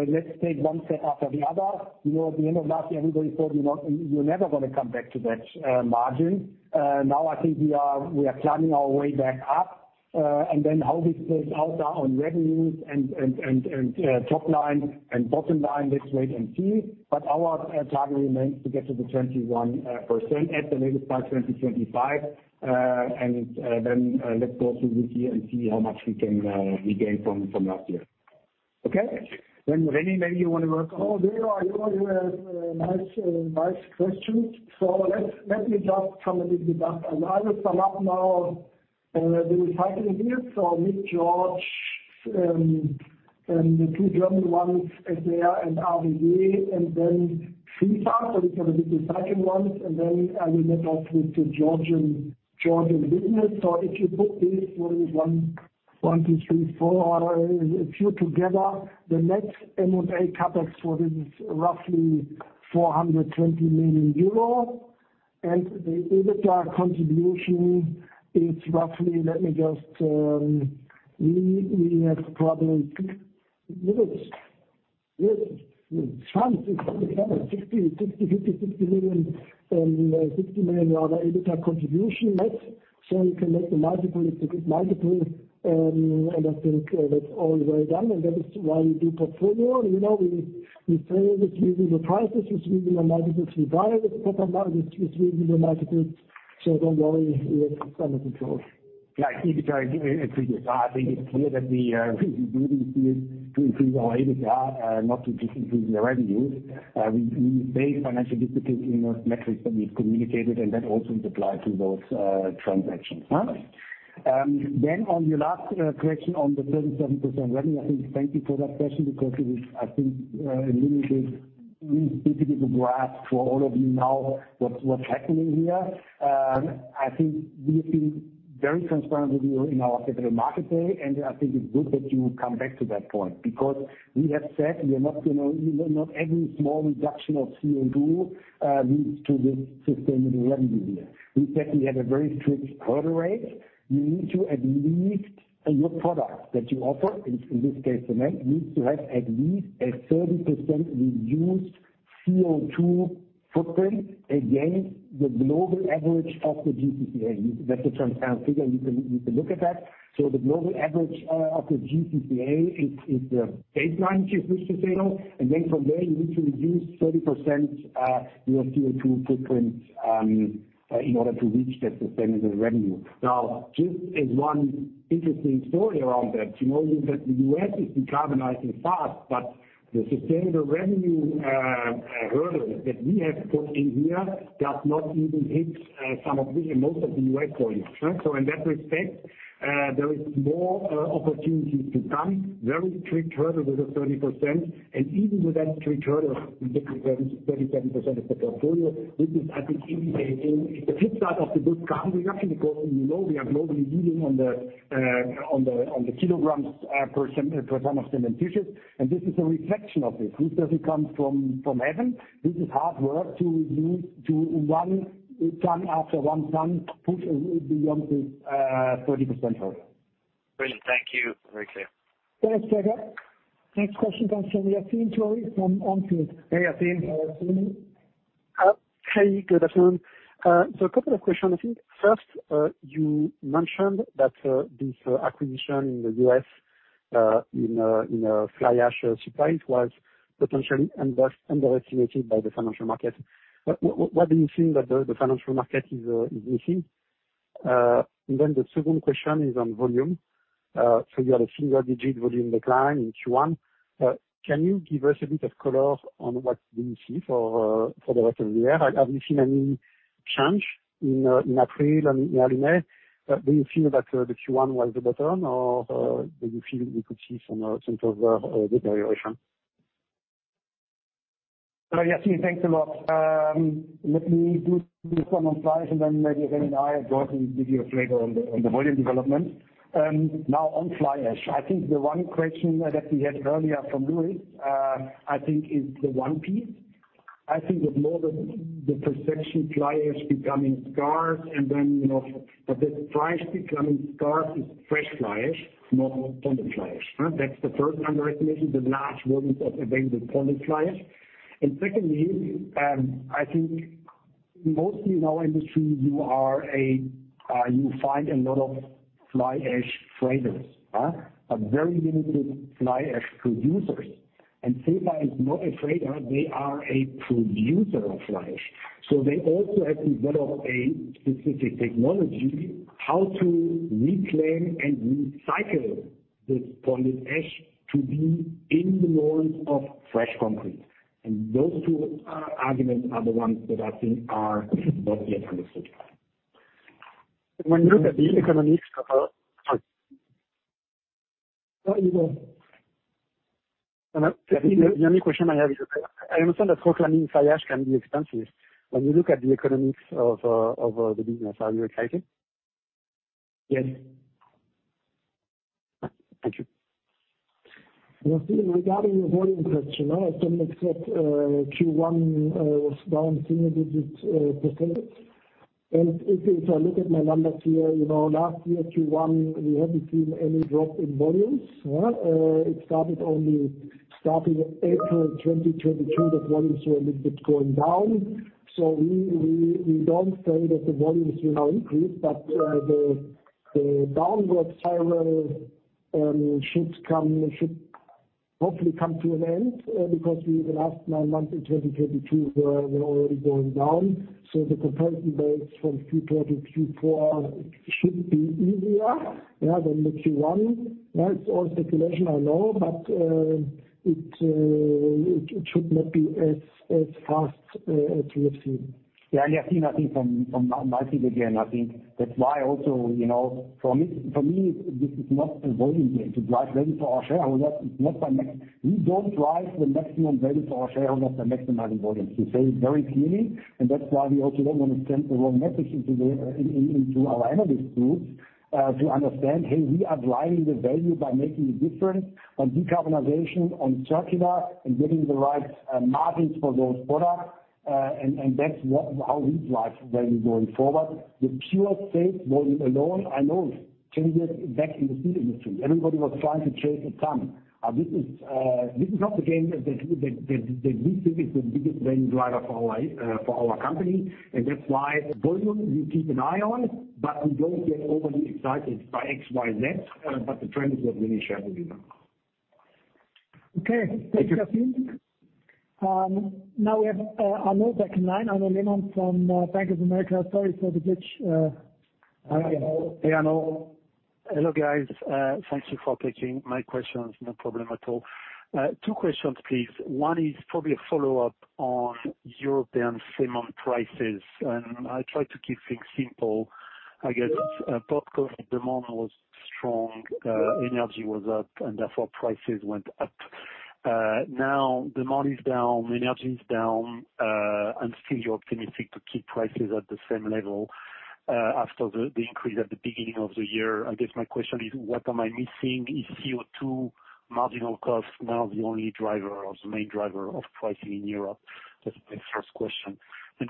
[SPEAKER 3] Let's take one step after the other. You know, at the end of last year everybody thought, you know, you're never gonna come back to that margin. Now I think we are climbing our way back up. How this plays out on revenues and top line and bottom line, let's wait and see. Our target remains to get to the 21% at the latest by 2025. let's go through this year and see how much we can regain from last year. Okay? Ramy, maybe you wanna work on-
[SPEAKER 2] Oh, Leo, you always have nice questions. Let me just come a little bit up. I will sum up now the recycling deals. With George, and the two German ones, Svea and RWE, and then Free Farm. These are the recycling ones. Then I will meet up with the Georgian business. If you put these one, two, three, four, a few together, the next M&A CapEx for this is roughly 420 million euro. The EBITDA contribution is roughly, let me just, we have probably six units. Yes. 60, 50, 60 million and 60 million other EBITDA contribution net. You can make the multiple. I think that's all well done. That is why we do portfolio. You know, we frame this using the prices, it's using the multiples, we buy this, that's, it's using the multiples. Don't worry, we have it under control.
[SPEAKER 3] Yeah. EBITDA. I think it's clear that we do these deals to increase our EBITDA, not to just increase the revenues. We pay financial discipline in those metrics that we've communicated, and that also applies to those transactions. Huh? On your last question on the 37% revenue, I think, thank you for that question because it is, I think, a little bit difficult to grasp for all of you now what's happening here. I think we have been very transparent with you in our capital market day, and I think it's good that you come back to that point because we have said we are not gonna not every small reduction of CO2 leads to this sustainable revenue here. We said we have a very strict hurdle rate. You need to at least in your product that you offer, in this case, cement, needs to have at least a 30% reduced CO2 footprint against the global average of the GCCA. That's a transparent figure. You can look at that. The global average of the GCCA is the baseline, if it's the same. From there, you need to reduce 30% your CO2 footprint in order to reach that sustainable revenue. Just as 1 interesting story around that, you know that the US is decarbonizing fast, but the sustainable revenue hurdle that we have put in here does not even hit some of the, most of the US volumes. In that respect, there is more opportunity to come, very strict hurdle with the 30%. Even with that strict hurdle, we get to 37% of the portfolio. This is, I think, in the, in the flip side of the good carbon reduction because, you know, we are globally leading on the, on the, on the kilograms, per ton of cement produced. This is a reflection of this. This doesn't come from heaven. This is hard work to reduce to 1 ton after 1 ton, push beyond the, 30% hurdle.
[SPEAKER 10] Brilliant. Thank you. Very clear.
[SPEAKER 2] Thanks, Trevor. Next question comes from Yassine Tori from Onfield. Hey, Yassine. Yassine.
[SPEAKER 11] Hey, good afternoon. A couple of questions. I think first, you mentioned that this acquisition in the U.S., in fly ash supplies was potentially underestimated by the financial market. What do you think that the financial market is missing? The second question is on volume. You had a single digit volume decline in Q1. Can you give us a bit of color on what do you see for the rest of the year? Have you seen any change in April and early May? Do you feel that the Q1 was the bottom or do you feel we could see some sort of deterioration?
[SPEAKER 3] Yassine, thanks a lot. Let me do some on price and then maybe René and I have brought some videos later on the, on the volume development. Now on fly ash. I think the one question that we had earlier from Luis, I think is the one piece. I think that more the perception fly ash becoming scarce and then, you know, but the price becoming scarce is fresh fly ash, not pond ash, huh? That's the first underestimation, the large volumes of available pond ash. Secondly, I think mostly in our industry, you find a lot of fly ash freighters, huh? A very limited fly ash producers. SEPA is not a freighter, they are a producer of fly ash. They also have developed a specific technology how to reclaim and recycle this pond ash to be in the norms of fresh concrete. Those two arguments are the ones that I think are not yet understood. When you look at the economics of... What, Yaseen?
[SPEAKER 11] The only question I have is, I understand that reclaiming fly ash can be expensive. When you look at the economics of the business, are you excited?
[SPEAKER 3] Yes. Thank you. Yaseen, regarding the volume question, I can accept Q1 was down single digits %. If I look at my numbers here, you know, last year Q1, we haven't seen any drop in volumes, it started only starting April 2022 that volumes were a little bit going down. We don't say that the volumes will now increase, but the downward spiral should hopefully come to an end, because we in the last 9 months in 2022, we're already going down. The comparison base from Q2 to Q4 should be easier, yeah, than the Q1. That's all speculation I know, but it should not be as fast as we have seen. Yeah. Yassine, I think from my side again, I think that's why also, you know, for me, this is not a volume game to drive value for our shareholders. We don't drive the maximum value for our shareholders by maximizing volumes. We say it very clearly, That's why we also don't want to send the wrong message into the, into our analyst groups, to understand, "Hey, we are driving the value by making a difference on decarbonization, on circular, and getting the right margins for those products." That's what, how we drive value going forward. The pure safe volume alone, I know changes back in the steel industry. Everybody was trying to chase the sun. This is not the game that we think is the biggest value driver for our company. That's why volume we keep an eye on, but we don't get overly excited by X, Y, Z. The trend is what really shall be done.
[SPEAKER 2] Okay. Thanks, Yaseen. Now we have Arnold back in line. Arnaud Lehmann from Bank of America. Sorry for the glitch.
[SPEAKER 3] Hi, Arnaud. Hey, Arnaud.
[SPEAKER 9] Hello, guys. Thank you for taking my questions. No problem at all. Two questions please. One is probably a follow-up on European cement prices. I try to keep things simple. I guess, post-COVID, demand was strong, energy was up, and therefore, prices went up. Now demand is down, energy is down. Still you're optimistic to keep prices at the same level after the increase at the beginning of the year. I guess my question is, what am I missing? Is CO2 marginal cost now the only driver or the main driver of pricing in Europe? That's my first question.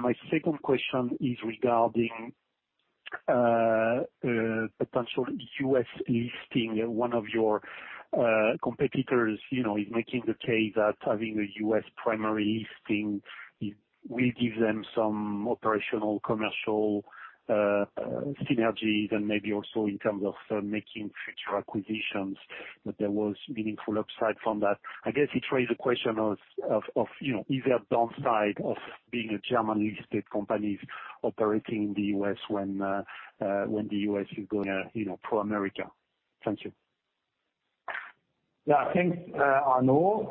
[SPEAKER 9] My second question is regarding a potential US listing. One of your competitors, you know, is making the case that having a U.S. primary listing will give them some operational, commercial synergies and maybe also in terms of making future acquisitions, that there was meaningful upside from that. I guess it raises a question of, you know, is there a downside of being a German-listed company operating in the U.S. when the U.S. is going, you know, pro America. Thank you.
[SPEAKER 3] Yeah. Thanks, Arnaud.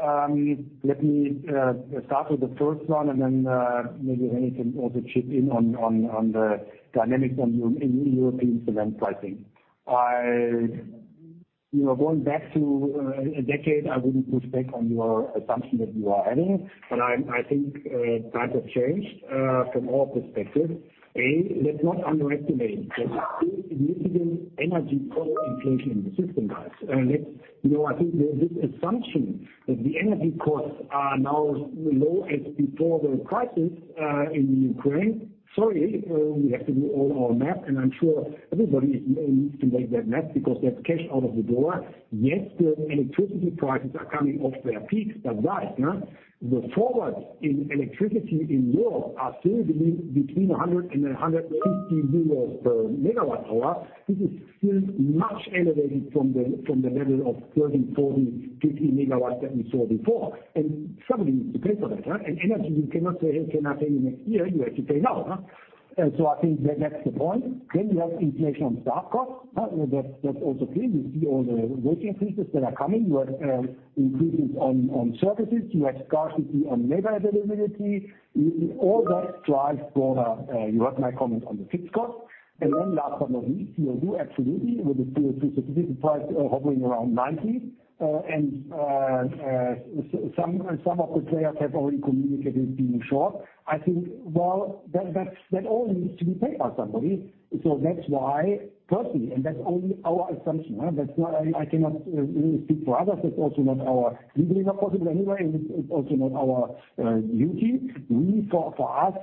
[SPEAKER 3] Let me start with the first one, and then maybe René can also chip in on the dynamics on European cement pricing. You know, going back to a decade, I wouldn't push back on your assumption that you are adding, but I think times have changed from our perspective. Let's not underestimate there's still significant energy cost inflation in the system, guys. You know, I think there's this assumption that the energy costs are now low as before the crisis in Ukraine. Sorry, we have to do all our math, and I'm sure everybody needs to make that math because there's cash out of the door. The electricity prices are coming off their peaks, guys, the forward in electricity in Europe are still between 100 and 150 euros per megawatt hour. This is still much elevated from the level of 30, 40, 50 megawatts that we saw before. Somebody needs to pay for that, huh? Energy, you cannot say, "Hey, can I pay you next year?" You have to pay now. I think that that's the point. You have inflation on staff costs. That's also clear. You see all the wage increases that are coming. You have increases on services. You have scarcity on labor availability. All that drives broader, you heard my comment on the fixed costs. Last but not least, CO2, absolutely, with the CO2 certificate price hovering around 90 EUR. Some of the players have already communicated being short. I think while that's, that all needs to be paid by somebody. That's why, firstly, and that's only our assumption, huh. That's not. I cannot really speak for others. That's also not our legally not possible anyway, and it's also not our duty. For us,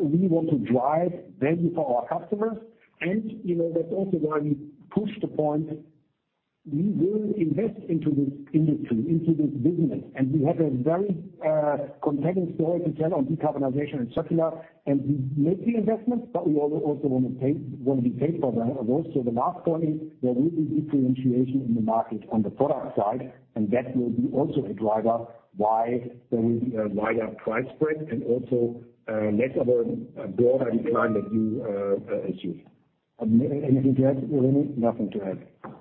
[SPEAKER 3] we want to drive value for our customers. You know, that's also why we push the point, we will invest into this industry, into this business. We have a very compelling story to tell on decarbonization and circular. We make the investments, but we also wanna be paid for those. The last point is there will be differentiation in the market on the product side, and that will be also a driver why there will be a wider price spread and also, less of a broader decline that you, assume. Anything to add, René?
[SPEAKER 12] Nothing to add.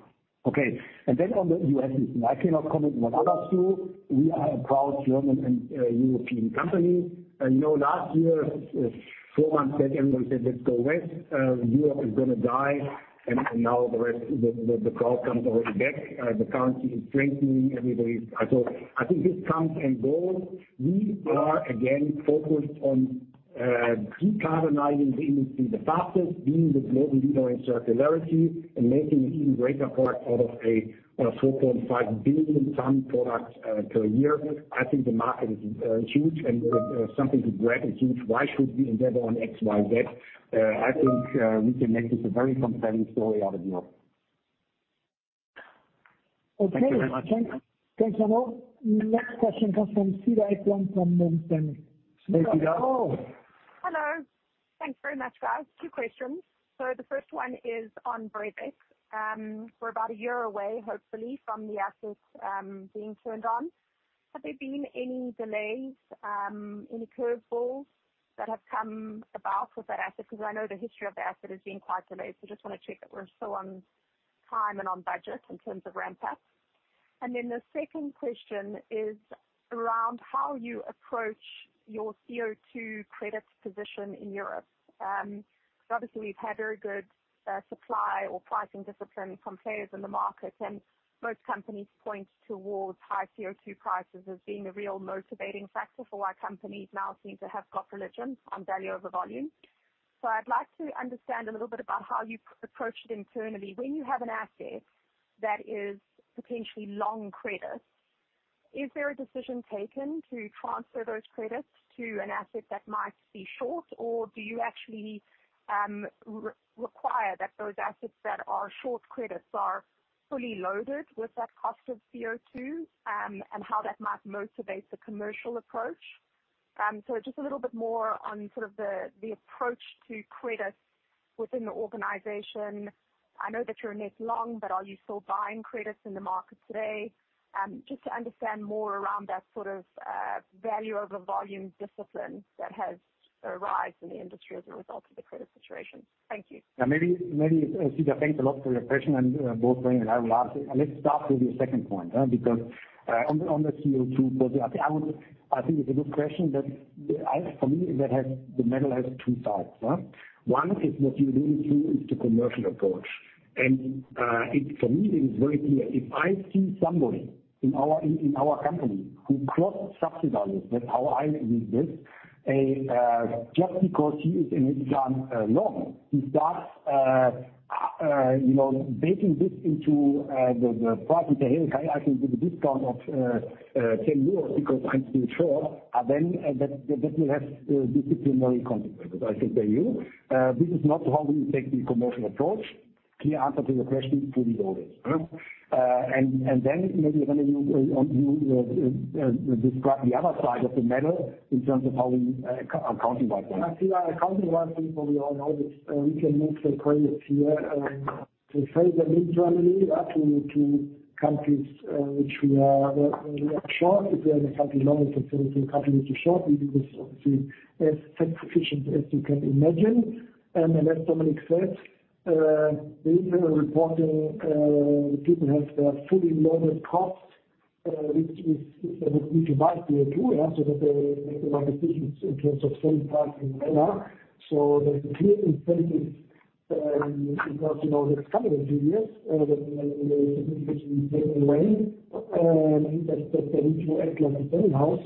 [SPEAKER 3] Okay. On the US listing. I cannot comment on what others do. We are a proud German and European company. You know, last year, four months back, everybody said, "Let's go west. Europe is gonna die." Now the rest, the crowd comes already back. The currency is strengthening, everybody is. I think this comes and goes. We are, again, focused on decarbonizing the industry the fastest, being the global leader in circularity, and making an even greater product out of a 4.5 billion ton product per year. I think the market is huge, and something to grab is huge. Why should we endeavor on XYZ? I think we can make this a very compelling story out of Europe.
[SPEAKER 9] Okay.
[SPEAKER 3] Thank you very much.
[SPEAKER 2] Thanks, Arnaud Lehmann. Next question comes from Cedar Ekblom from Morgan Stanley.
[SPEAKER 3] Thank you.
[SPEAKER 12] Sheila.
[SPEAKER 13] Hello. Thanks very much, guys. Two questions. The first one is on Brevik. We're about a year away, hopefully, from the assets being turned on. Have there been any delays, any curveballs that have come about with that asset? Because I know the history of the asset has been quite delayed, just wanna check that we're still on time and on budget in terms of ramp-up. The second question is around how you approach your CO2 credits position in Europe. We've had very good supply or pricing discipline from players in the market. Most companies point towards high CO2 prices as being a real motivating factor for why companies now seem to have got religion on value over volume. I'd like to understand a little bit about how you approach it internally. When you have an asset that is potentially long credit, is there a decision taken to transfer those credits to an asset that might be short? Do you actually re-require that those assets that are short credits are fully loaded with that cost of CO2 and how that might motivate the commercial approach? Just a little bit more on sort of the approach to credit within the organization. I know that you're net long, but are you still buying credits in the market today? Just to understand more around that sort of value over volume discipline that has arrived in the industry as a result of the credit situation. Thank you.
[SPEAKER 3] Maybe, Yuri, thanks a lot for your question and both René and I will answer. Let's start with the second point because on the CO2 project, I think it's a good question that I, for me, the medal has two sides? One is what you really do is the commercial approach. It, for me, it is very clear. If I see somebody in our company who cross-subsidizes, that's how I read this, just because he is a net long, he starts, you know, baking this into the price and say, "Hey, I can give a discount of 10 euros because I'm still short," then that will have disciplinary consequences, I think they will. This is not how we take the commercial approach. Clear answer to your question, fully loaded. Then maybe, René, you describe the other side of the medal in terms of how we accounting-wise work.
[SPEAKER 2] Yuri, accounting-wise, I think what we all know that we can move the credits here to sell them in Germany up to countries which we are short. If we are in a country long, we can sell it to a country which is short. This is obviously as tax efficient as you can imagine. As Dominik said, we are reporting, the people have their fully loaded costs, which is, which we divide here too, so that they make the right decisions in terms of selling price and when. The clear incentive, because, you know, it's coming in two years, that we will significantly take away, and that they need to act on it anyhow. As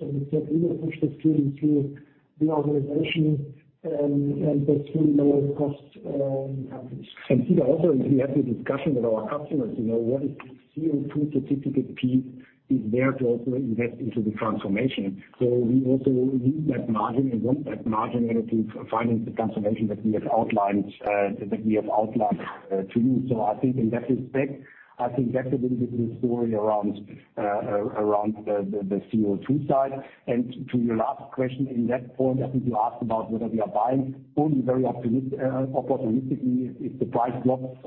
[SPEAKER 2] Dominik said, we will push this through to the organization, and that's fully loaded costs in countries.
[SPEAKER 3] Cedar, also we have the discussion with our customers, you know, what is CO2 certificate P is there to also invest into the transformation. We also need that margin and want that margin in order to finance the transformation that we have outlined to you. I think in that respect, I think that's a little bit the story around the CO2 side. To your last question, in that point, I think you asked about whether we are buying only very opportunistically. If the price drops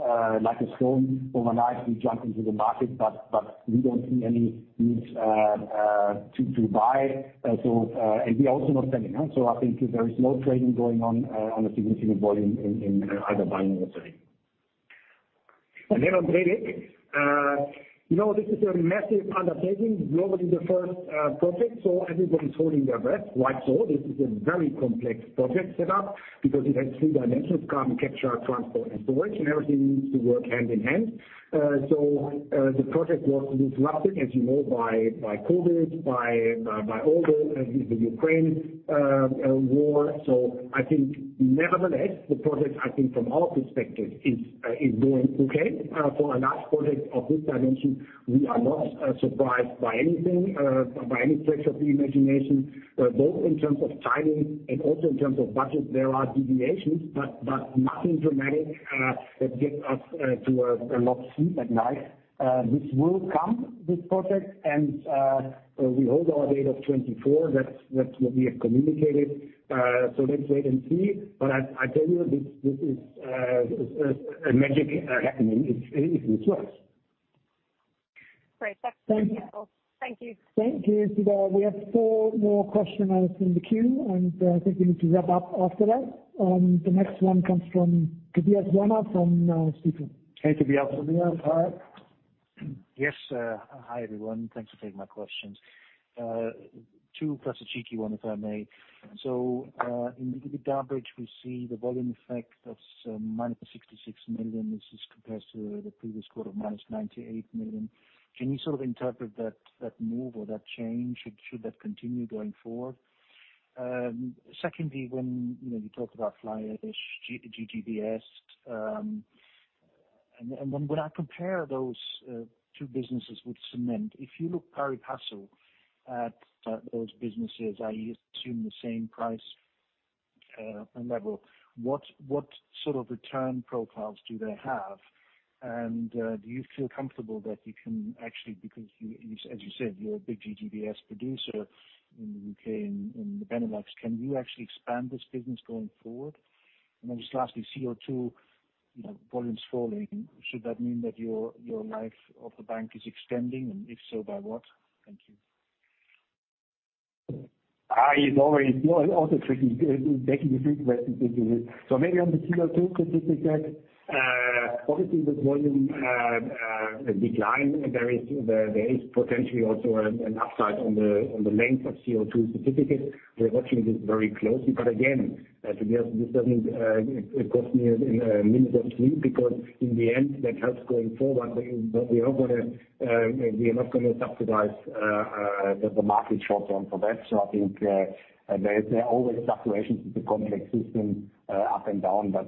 [SPEAKER 3] like a stone overnight, we jump into the market, but we don't see any need to buy. We are also not selling, huh? I think there is no trading going on a significant volume in, either buying or selling. On Brevik. You know, this is a massive undertaking, globally the first, project, so everybody's holding their breath, quite so. This is a very complex project set up because it has three dimensions: carbon capture, transport and storage, and everything needs to work hand in hand. The project was disrupted, as you know, by COVID, by also the Ukraine, war. I think nevertheless, the project, I think from our perspective is going okay. For a large project of this dimension, we are not, surprised by anything, by any stretch of the imagination. Both in terms of timing and also in terms of budget, there are deviations, but nothing dramatic that gets us to a lost sleep at night. This will come, this project, and we hold our date of 2024. That's what we have communicated. Let's wait and see. I tell you this is a magic happening. It works.
[SPEAKER 13] Great. That's very helpful. Thank you.
[SPEAKER 2] Thank you, Cedar. We have four more questioners in the queue, and, I think we need to wrap up after that. The next one comes from Tobias Leonne from Citigroup.
[SPEAKER 3] Hey, Tobias Leonne, hi.
[SPEAKER 14] Yes, hi, everyone. Thanks for taking my questions. Two plus a cheeky one, if I may. In the EBITDA bridge, we see the volume effect of minus 66 million. This is compared to the previous quarter, minus 98 million. Can you sort of interpret that move or that change? Should that continue going forward? Secondly, when, you know, you talk about fly ash GGBS, and when I compare those two businesses with Cement, if you look pari passu at those businesses, i.e. assume the same price and level, what sort of return profiles do they have? Do you feel comfortable that you can actually, because you, as you said, you're a big GGBS producer in the U.K. and in the Benelux, can you actually expand this business going forward? Just lastly, CO2, you know, volumes falling. Should that mean that your life of the bank is extending? If so, by what? Thank you.
[SPEAKER 3] He's always tricky. Taking a tricky question. Thank you. Maybe on the CO2 certificates, obviously with volume decline, there is potentially also an upside on the length of CO2 certificates. We're watching this very closely. Again, Tobias, this doesn't cost me minimal sleep, because in the end, that helps going forward. We are not gonna subsidize the market short term for that. I think there are always fluctuations. It's a complex system up and down, I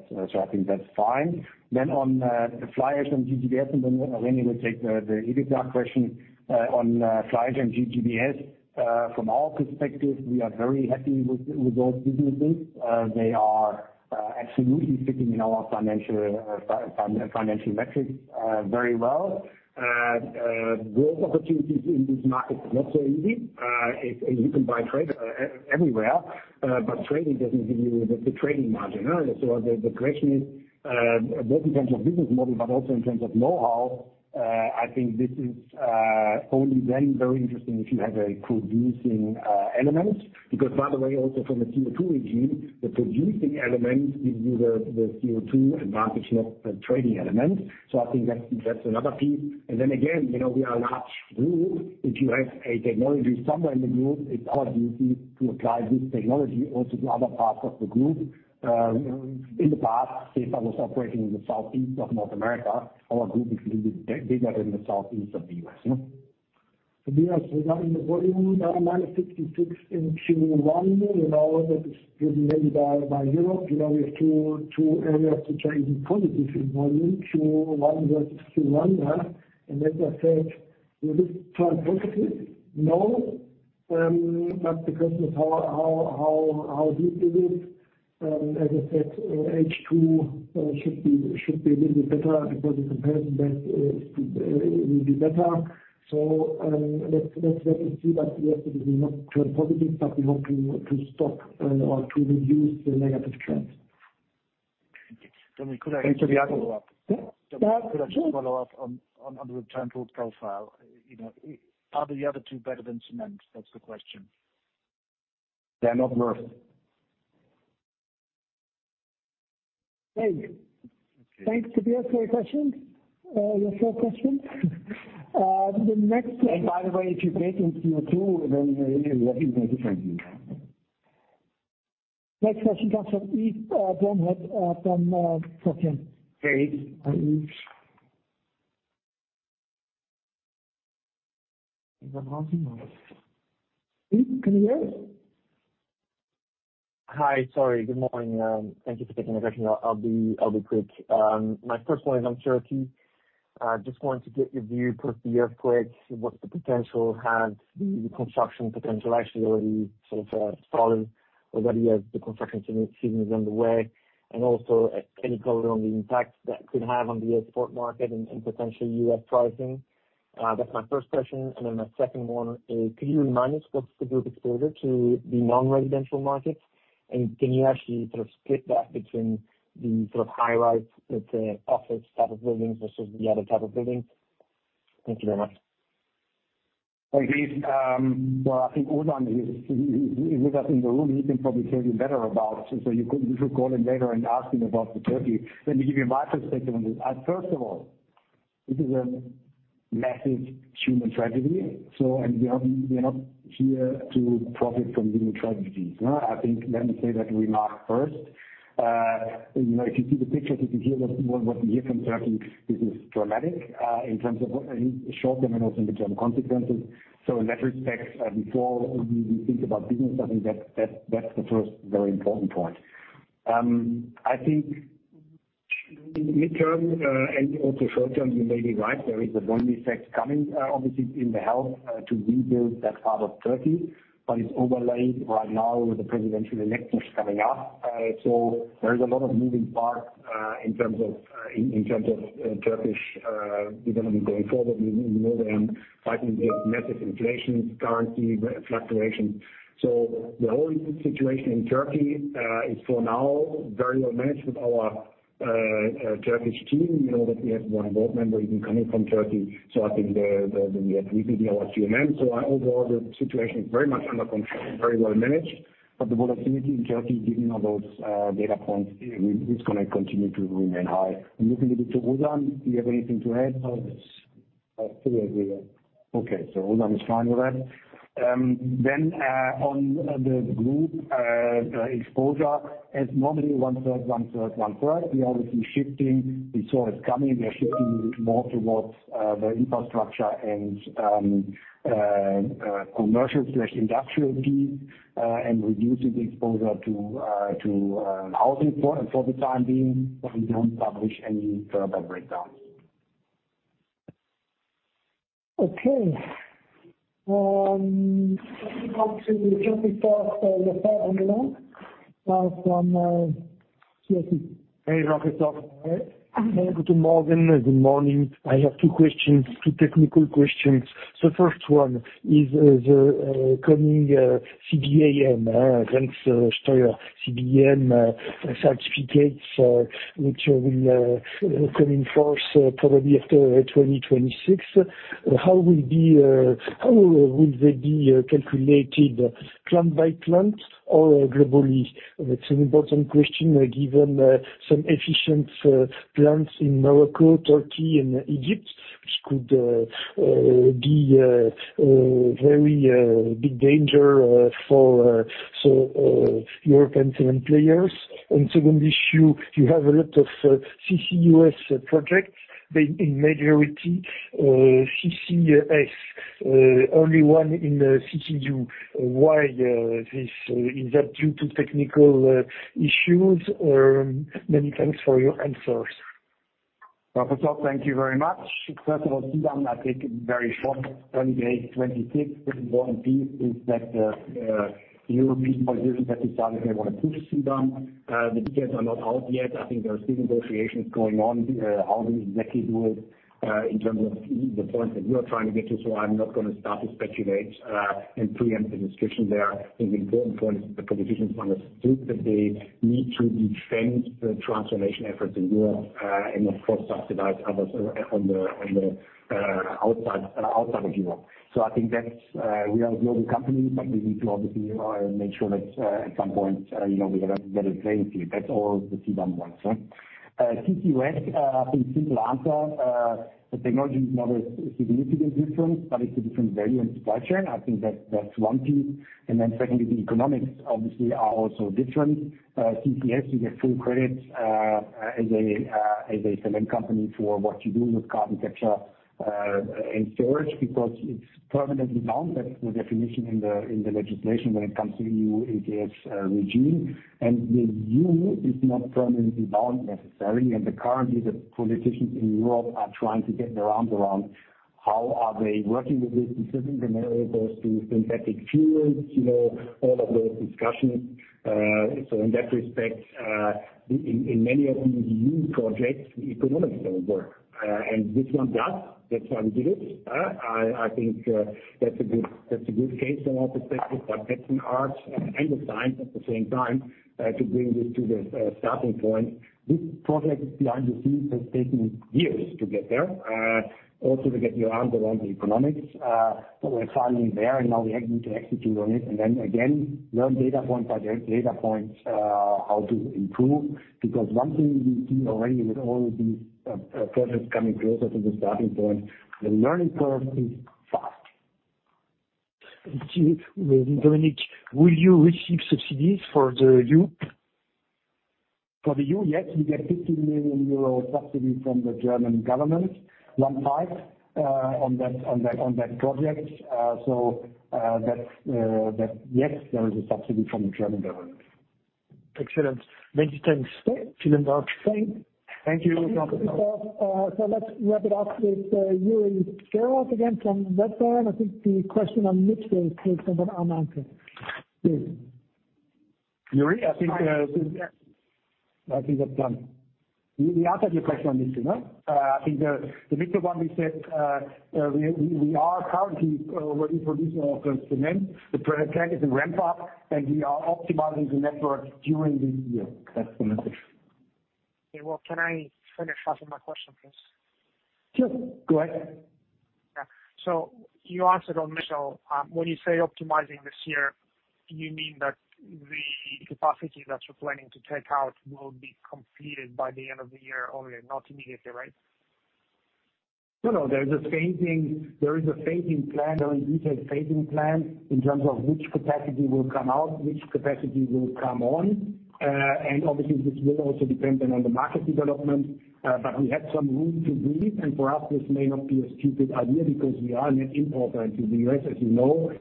[SPEAKER 3] think that's fine. On the fly ash and GGBS, and then René will take the EBITDA question on fly ash and GGBS. From our perspective, we are very happy with those businesses. They are absolutely fitting in our financial metrics very well. Growth opportunities in these markets not so easy. As you can buy trade everywhere, trading doesn't give you the trading margin. The question is both in terms of business model but also in terms of know-how, I think this is only then very interesting if you have a producing elements. By the way, also from a CO2 regime, the producing element gives you the CO2 advantage, not the trading element. Again, you know, we are a large group. If you have a technology somewhere in the group, it's our duty to apply this technology also to other parts of the group. In the past, if I was operating in the southeast of North America, our group is a little bit bigger than the southeast of the US, you know?
[SPEAKER 2] Tobias, we got in the volume, minus 66 in Q1. You know, that is driven mainly by Europe. You know, we have 2 areas which are even positive in volume, Q1 versus Q1. As I said, will this turn positive? No. The question is how deep is it? As I said, H2, should be a little bit better because the comparison that, is, will be better. Let's wait and see. Yes, it is not turn positive, but we hope to stop, or to reduce the negative trends.
[SPEAKER 3] Could I just follow up?
[SPEAKER 2] Hmm? Yeah.
[SPEAKER 3] Could I just follow up on the return profile? You know, are the other two better than cement? That's the question. They are not worse.
[SPEAKER 2] Great. Thanks, Tobias, for your question, your third question.
[SPEAKER 3] By the way, if you bake in CO2, then we are even more differently.
[SPEAKER 2] Next question comes from Yves Bomele from Société.
[SPEAKER 3] Great.
[SPEAKER 2] Is it on or not? Yves, can you hear us?
[SPEAKER 15] Hi. Sorry. Good morning. Thank you for taking my question. I'll be quick. My first one is on Turkey. Just want to get your view post the earthquake. What's the potential, has the construction potential actually already sort of fallen already as the construction season is underway? Also any color on the impact that could have on the export market and potentially US pricing? That's my first question. My second one is can you remind us what's the group exposure to the non-residential markets? Can you actually sort of split that between the sort of high-rise with the office type of buildings versus the other type of buildings? Thank you very much.
[SPEAKER 3] Hi, Yves. Well, I think Uzan is, he's with us in the room. He can probably tell you better about, you should call him later and ask him about Turkey. Let me give you my perspective on this. First of all, this is a massive human tragedy. We are not here to profit from human tragedies, huh? I think let me say that remark first. You know, if you see the pictures, if you hear what we hear from Turkey, this is dramatic in terms of in short term and also the term consequences. In that respect, before we think about business, I think that's the first very important point. I think midterm, and also short term, you may be right. There is a volume effect coming, obviously in the health, to rebuild that part of Turkey. It's overlaid right now with the presidential elections coming up. There is a lot of moving parts in terms of Turkish economy going forward. We know they're fighting with massive inflation, currency fluctuation. The whole situation in Turkey is for now very well managed with our Turkish team. We know that we have one board member even coming from Turkey. I think the we are pretty well few and many. Overall the situation is very much under control and very well managed. The volatility in Turkey given all those data points is gonna continue to remain high. I'm looking a bit to Uzan. Do you have anything to add?
[SPEAKER 16] No. I fully agree.
[SPEAKER 3] Uzan is fine with that. On the group exposure, it's normally one-third, one-third, one-third. We are obviously shifting. We saw it coming. We are shifting more towards the infrastructure and commercial slash industrial piece and reducing the exposure to housing for the time being. We don't publish any further breakdowns.
[SPEAKER 2] Okay. Let me talk to Jean-Christophe Lefèvre-Moulenq on the line from CIC.
[SPEAKER 17] Hey, Jean-Christophe. Good morning. Good morning. I have two questions, two technical questions. First one is, the coming CBAM, thanks Steuer. CBAM certificates which will come in force probably after 2026. How will they be calculated plant by plant or globally? That's an important question given some efficient plants in Morocco, Turkey, and Egypt, which could be a very big danger for European cement players. Second issue, you have a lot of CCUS projects, in majority, CCS. Only one in CCU. Why this? Is that due to technical issues? Many thanks for your answers.
[SPEAKER 3] Well, first of all, thank you very much. First of all, CBAM, I think very short, 28, 26. The important piece is that the European position has decided they wanna push CBAM. The details are not out yet. I think there are still negotiations going on, how we exactly do it, in terms of the point that you are trying to get to, so I'm not gonna start to speculate and preempt the description there. I think the important point is the politicians understood that they need to defend the transformation efforts in Europe, and not cross-subsidize others on the, on the outside of Europe. I think that's, we are a global company, but we need to obviously make sure that at some point, you know, we have a better trade deal. That's all that CBAM wants. CCUS, I think simple answer, the technology is not a significant difference, but it's a different value and supply chain. I think that's one piece. Secondly, the economics obviously are also different. CCUS, you get full credit as a cement company for what you do with carbon capture and storage, because it's permanently bound. That's the definition in the legislation when it comes to EU ETS regime. The EU is not permanently bound necessarily, and currently, the politicians in Europe are trying to get their arms around how are they working with this in certain scenarios to synthetic fuels, you know, all of those discussions. In that respect, in many of the EU projects, the economics don't work. This one does. That's why we did it. I think that's a good case on our perspective. That's an art and a science at the same time to bring this to the starting point. This project behind the scenes has taken years to get there, also to get your arms around the economics. We're finally there, and now we have to execute on it, and then again, learn data point by data point how to improve. One thing we see already with all of these projects coming closer to the starting point, the learning curve is fast.
[SPEAKER 2] See, Dominik, will you receive subsidies for the EU?
[SPEAKER 3] For the EU, yes. We get 50 million euros subsidy from the German government, 15, on that project. That's, yes, there is a subsidy from the German government.
[SPEAKER 2] Excellent. Many thanks. See you then. Bye.
[SPEAKER 3] Thank you.
[SPEAKER 2] Let's wrap it up with Yuri Gerald again from Metzler Bank. I think the question on mix has been unanswered. Please.
[SPEAKER 3] Yuri, I think that we answered your question on mix, no? I think the mix one, we said, we are currently, we're introducing our cement. The plan is to ramp up. We are optimizing the network during the year. That's the message.
[SPEAKER 8] Okay, well, can I finish asking my question, please?
[SPEAKER 2] Sure, go ahead.
[SPEAKER 8] Yeah. So you answered on mix. When you say optimizing this year, you mean that the capacity that you're planning to take out will be completed by the end of the year only, not immediately, right?
[SPEAKER 3] No, no, there is a phasing plan. There is detailed phasing plan in terms of which capacity will come out, which capacity will come on. Obviously, this will also depend then on the market development. We have some room to breathe, and for us this may not be a stupid idea because we are a net importer into the U.S., as you know,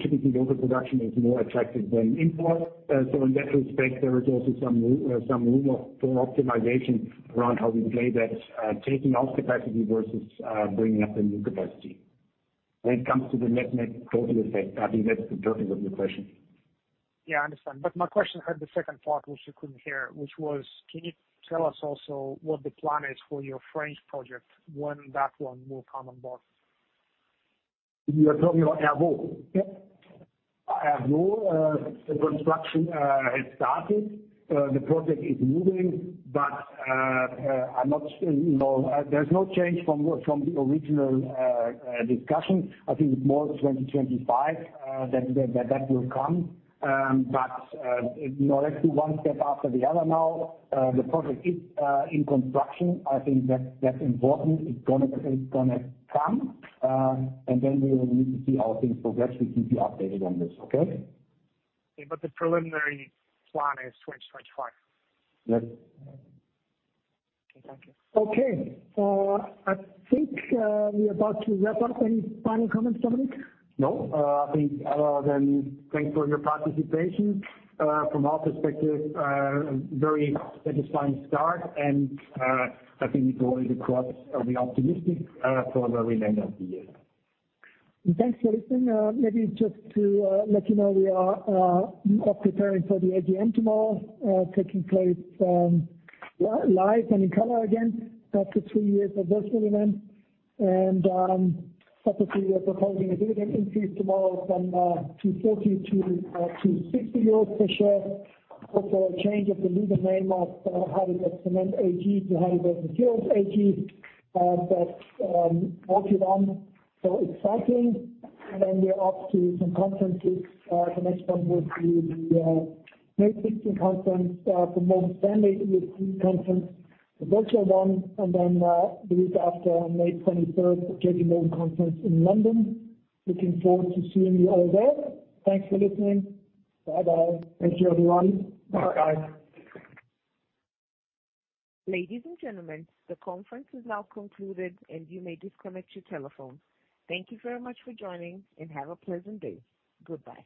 [SPEAKER 3] typically local production is more attractive than import. In that respect, there is also some room for optimization around how we play that, taking out capacity versus bringing up a new capacity. When it comes to the net-net total effect, I think that's the purpose of your question.
[SPEAKER 8] Yeah, I understand. My question had the second part, which you couldn't hear, which was, can you tell us also what the plan is for your French project, when that one will come on board?
[SPEAKER 3] You are talking about Ervot?
[SPEAKER 8] Yeah.
[SPEAKER 3] Ervot, the construction has started. The project is moving, but, you know, there's no change from the original discussion. I think it's more 2025, that will come. But, you know, let's do 1 step after the other now. The project is in construction. I think that's important. It's gonna come, and then we will need to see how things progress. We keep you updated on this. Okay?
[SPEAKER 8] Okay. The preliminary plan is 2025?
[SPEAKER 3] Yes.
[SPEAKER 8] Okay, thank you.
[SPEAKER 2] Okay. I think, we're about to wrap up. Any final comments, Dominik?
[SPEAKER 3] I think, thanks for your participation. From our perspective, very satisfying start, and I think it goes across, we optimistic, for the remainder of the year.
[SPEAKER 2] Thanks for listening. Maybe just to let you know, we are preparing for the AGM tomorrow, taking place live and in color again after two years of virtual event. Obviously, we are proposing a dividend increase tomorrow from 2.40 to 2.60 euros per share. Also a change of the legal name of Heidelberg Cement AG to Heidelberg Materials AG. That will be done. Exciting. We are off to some conferences. The next one would be the May 16 conference for Morgan Stanley, it will be a conference, a virtual one, the week after, on May 23, the J.P. Morgan conference in London. Looking forward to seeing you all there. Thanks for listening. Bye-bye.
[SPEAKER 3] Thank you, everyone. Bye.
[SPEAKER 2] Bye.
[SPEAKER 1] Ladies and gentlemen, the conference is now concluded, and you may disconnect your telephones. Thank you very much for joining, and have a pleasant day. Goodbye.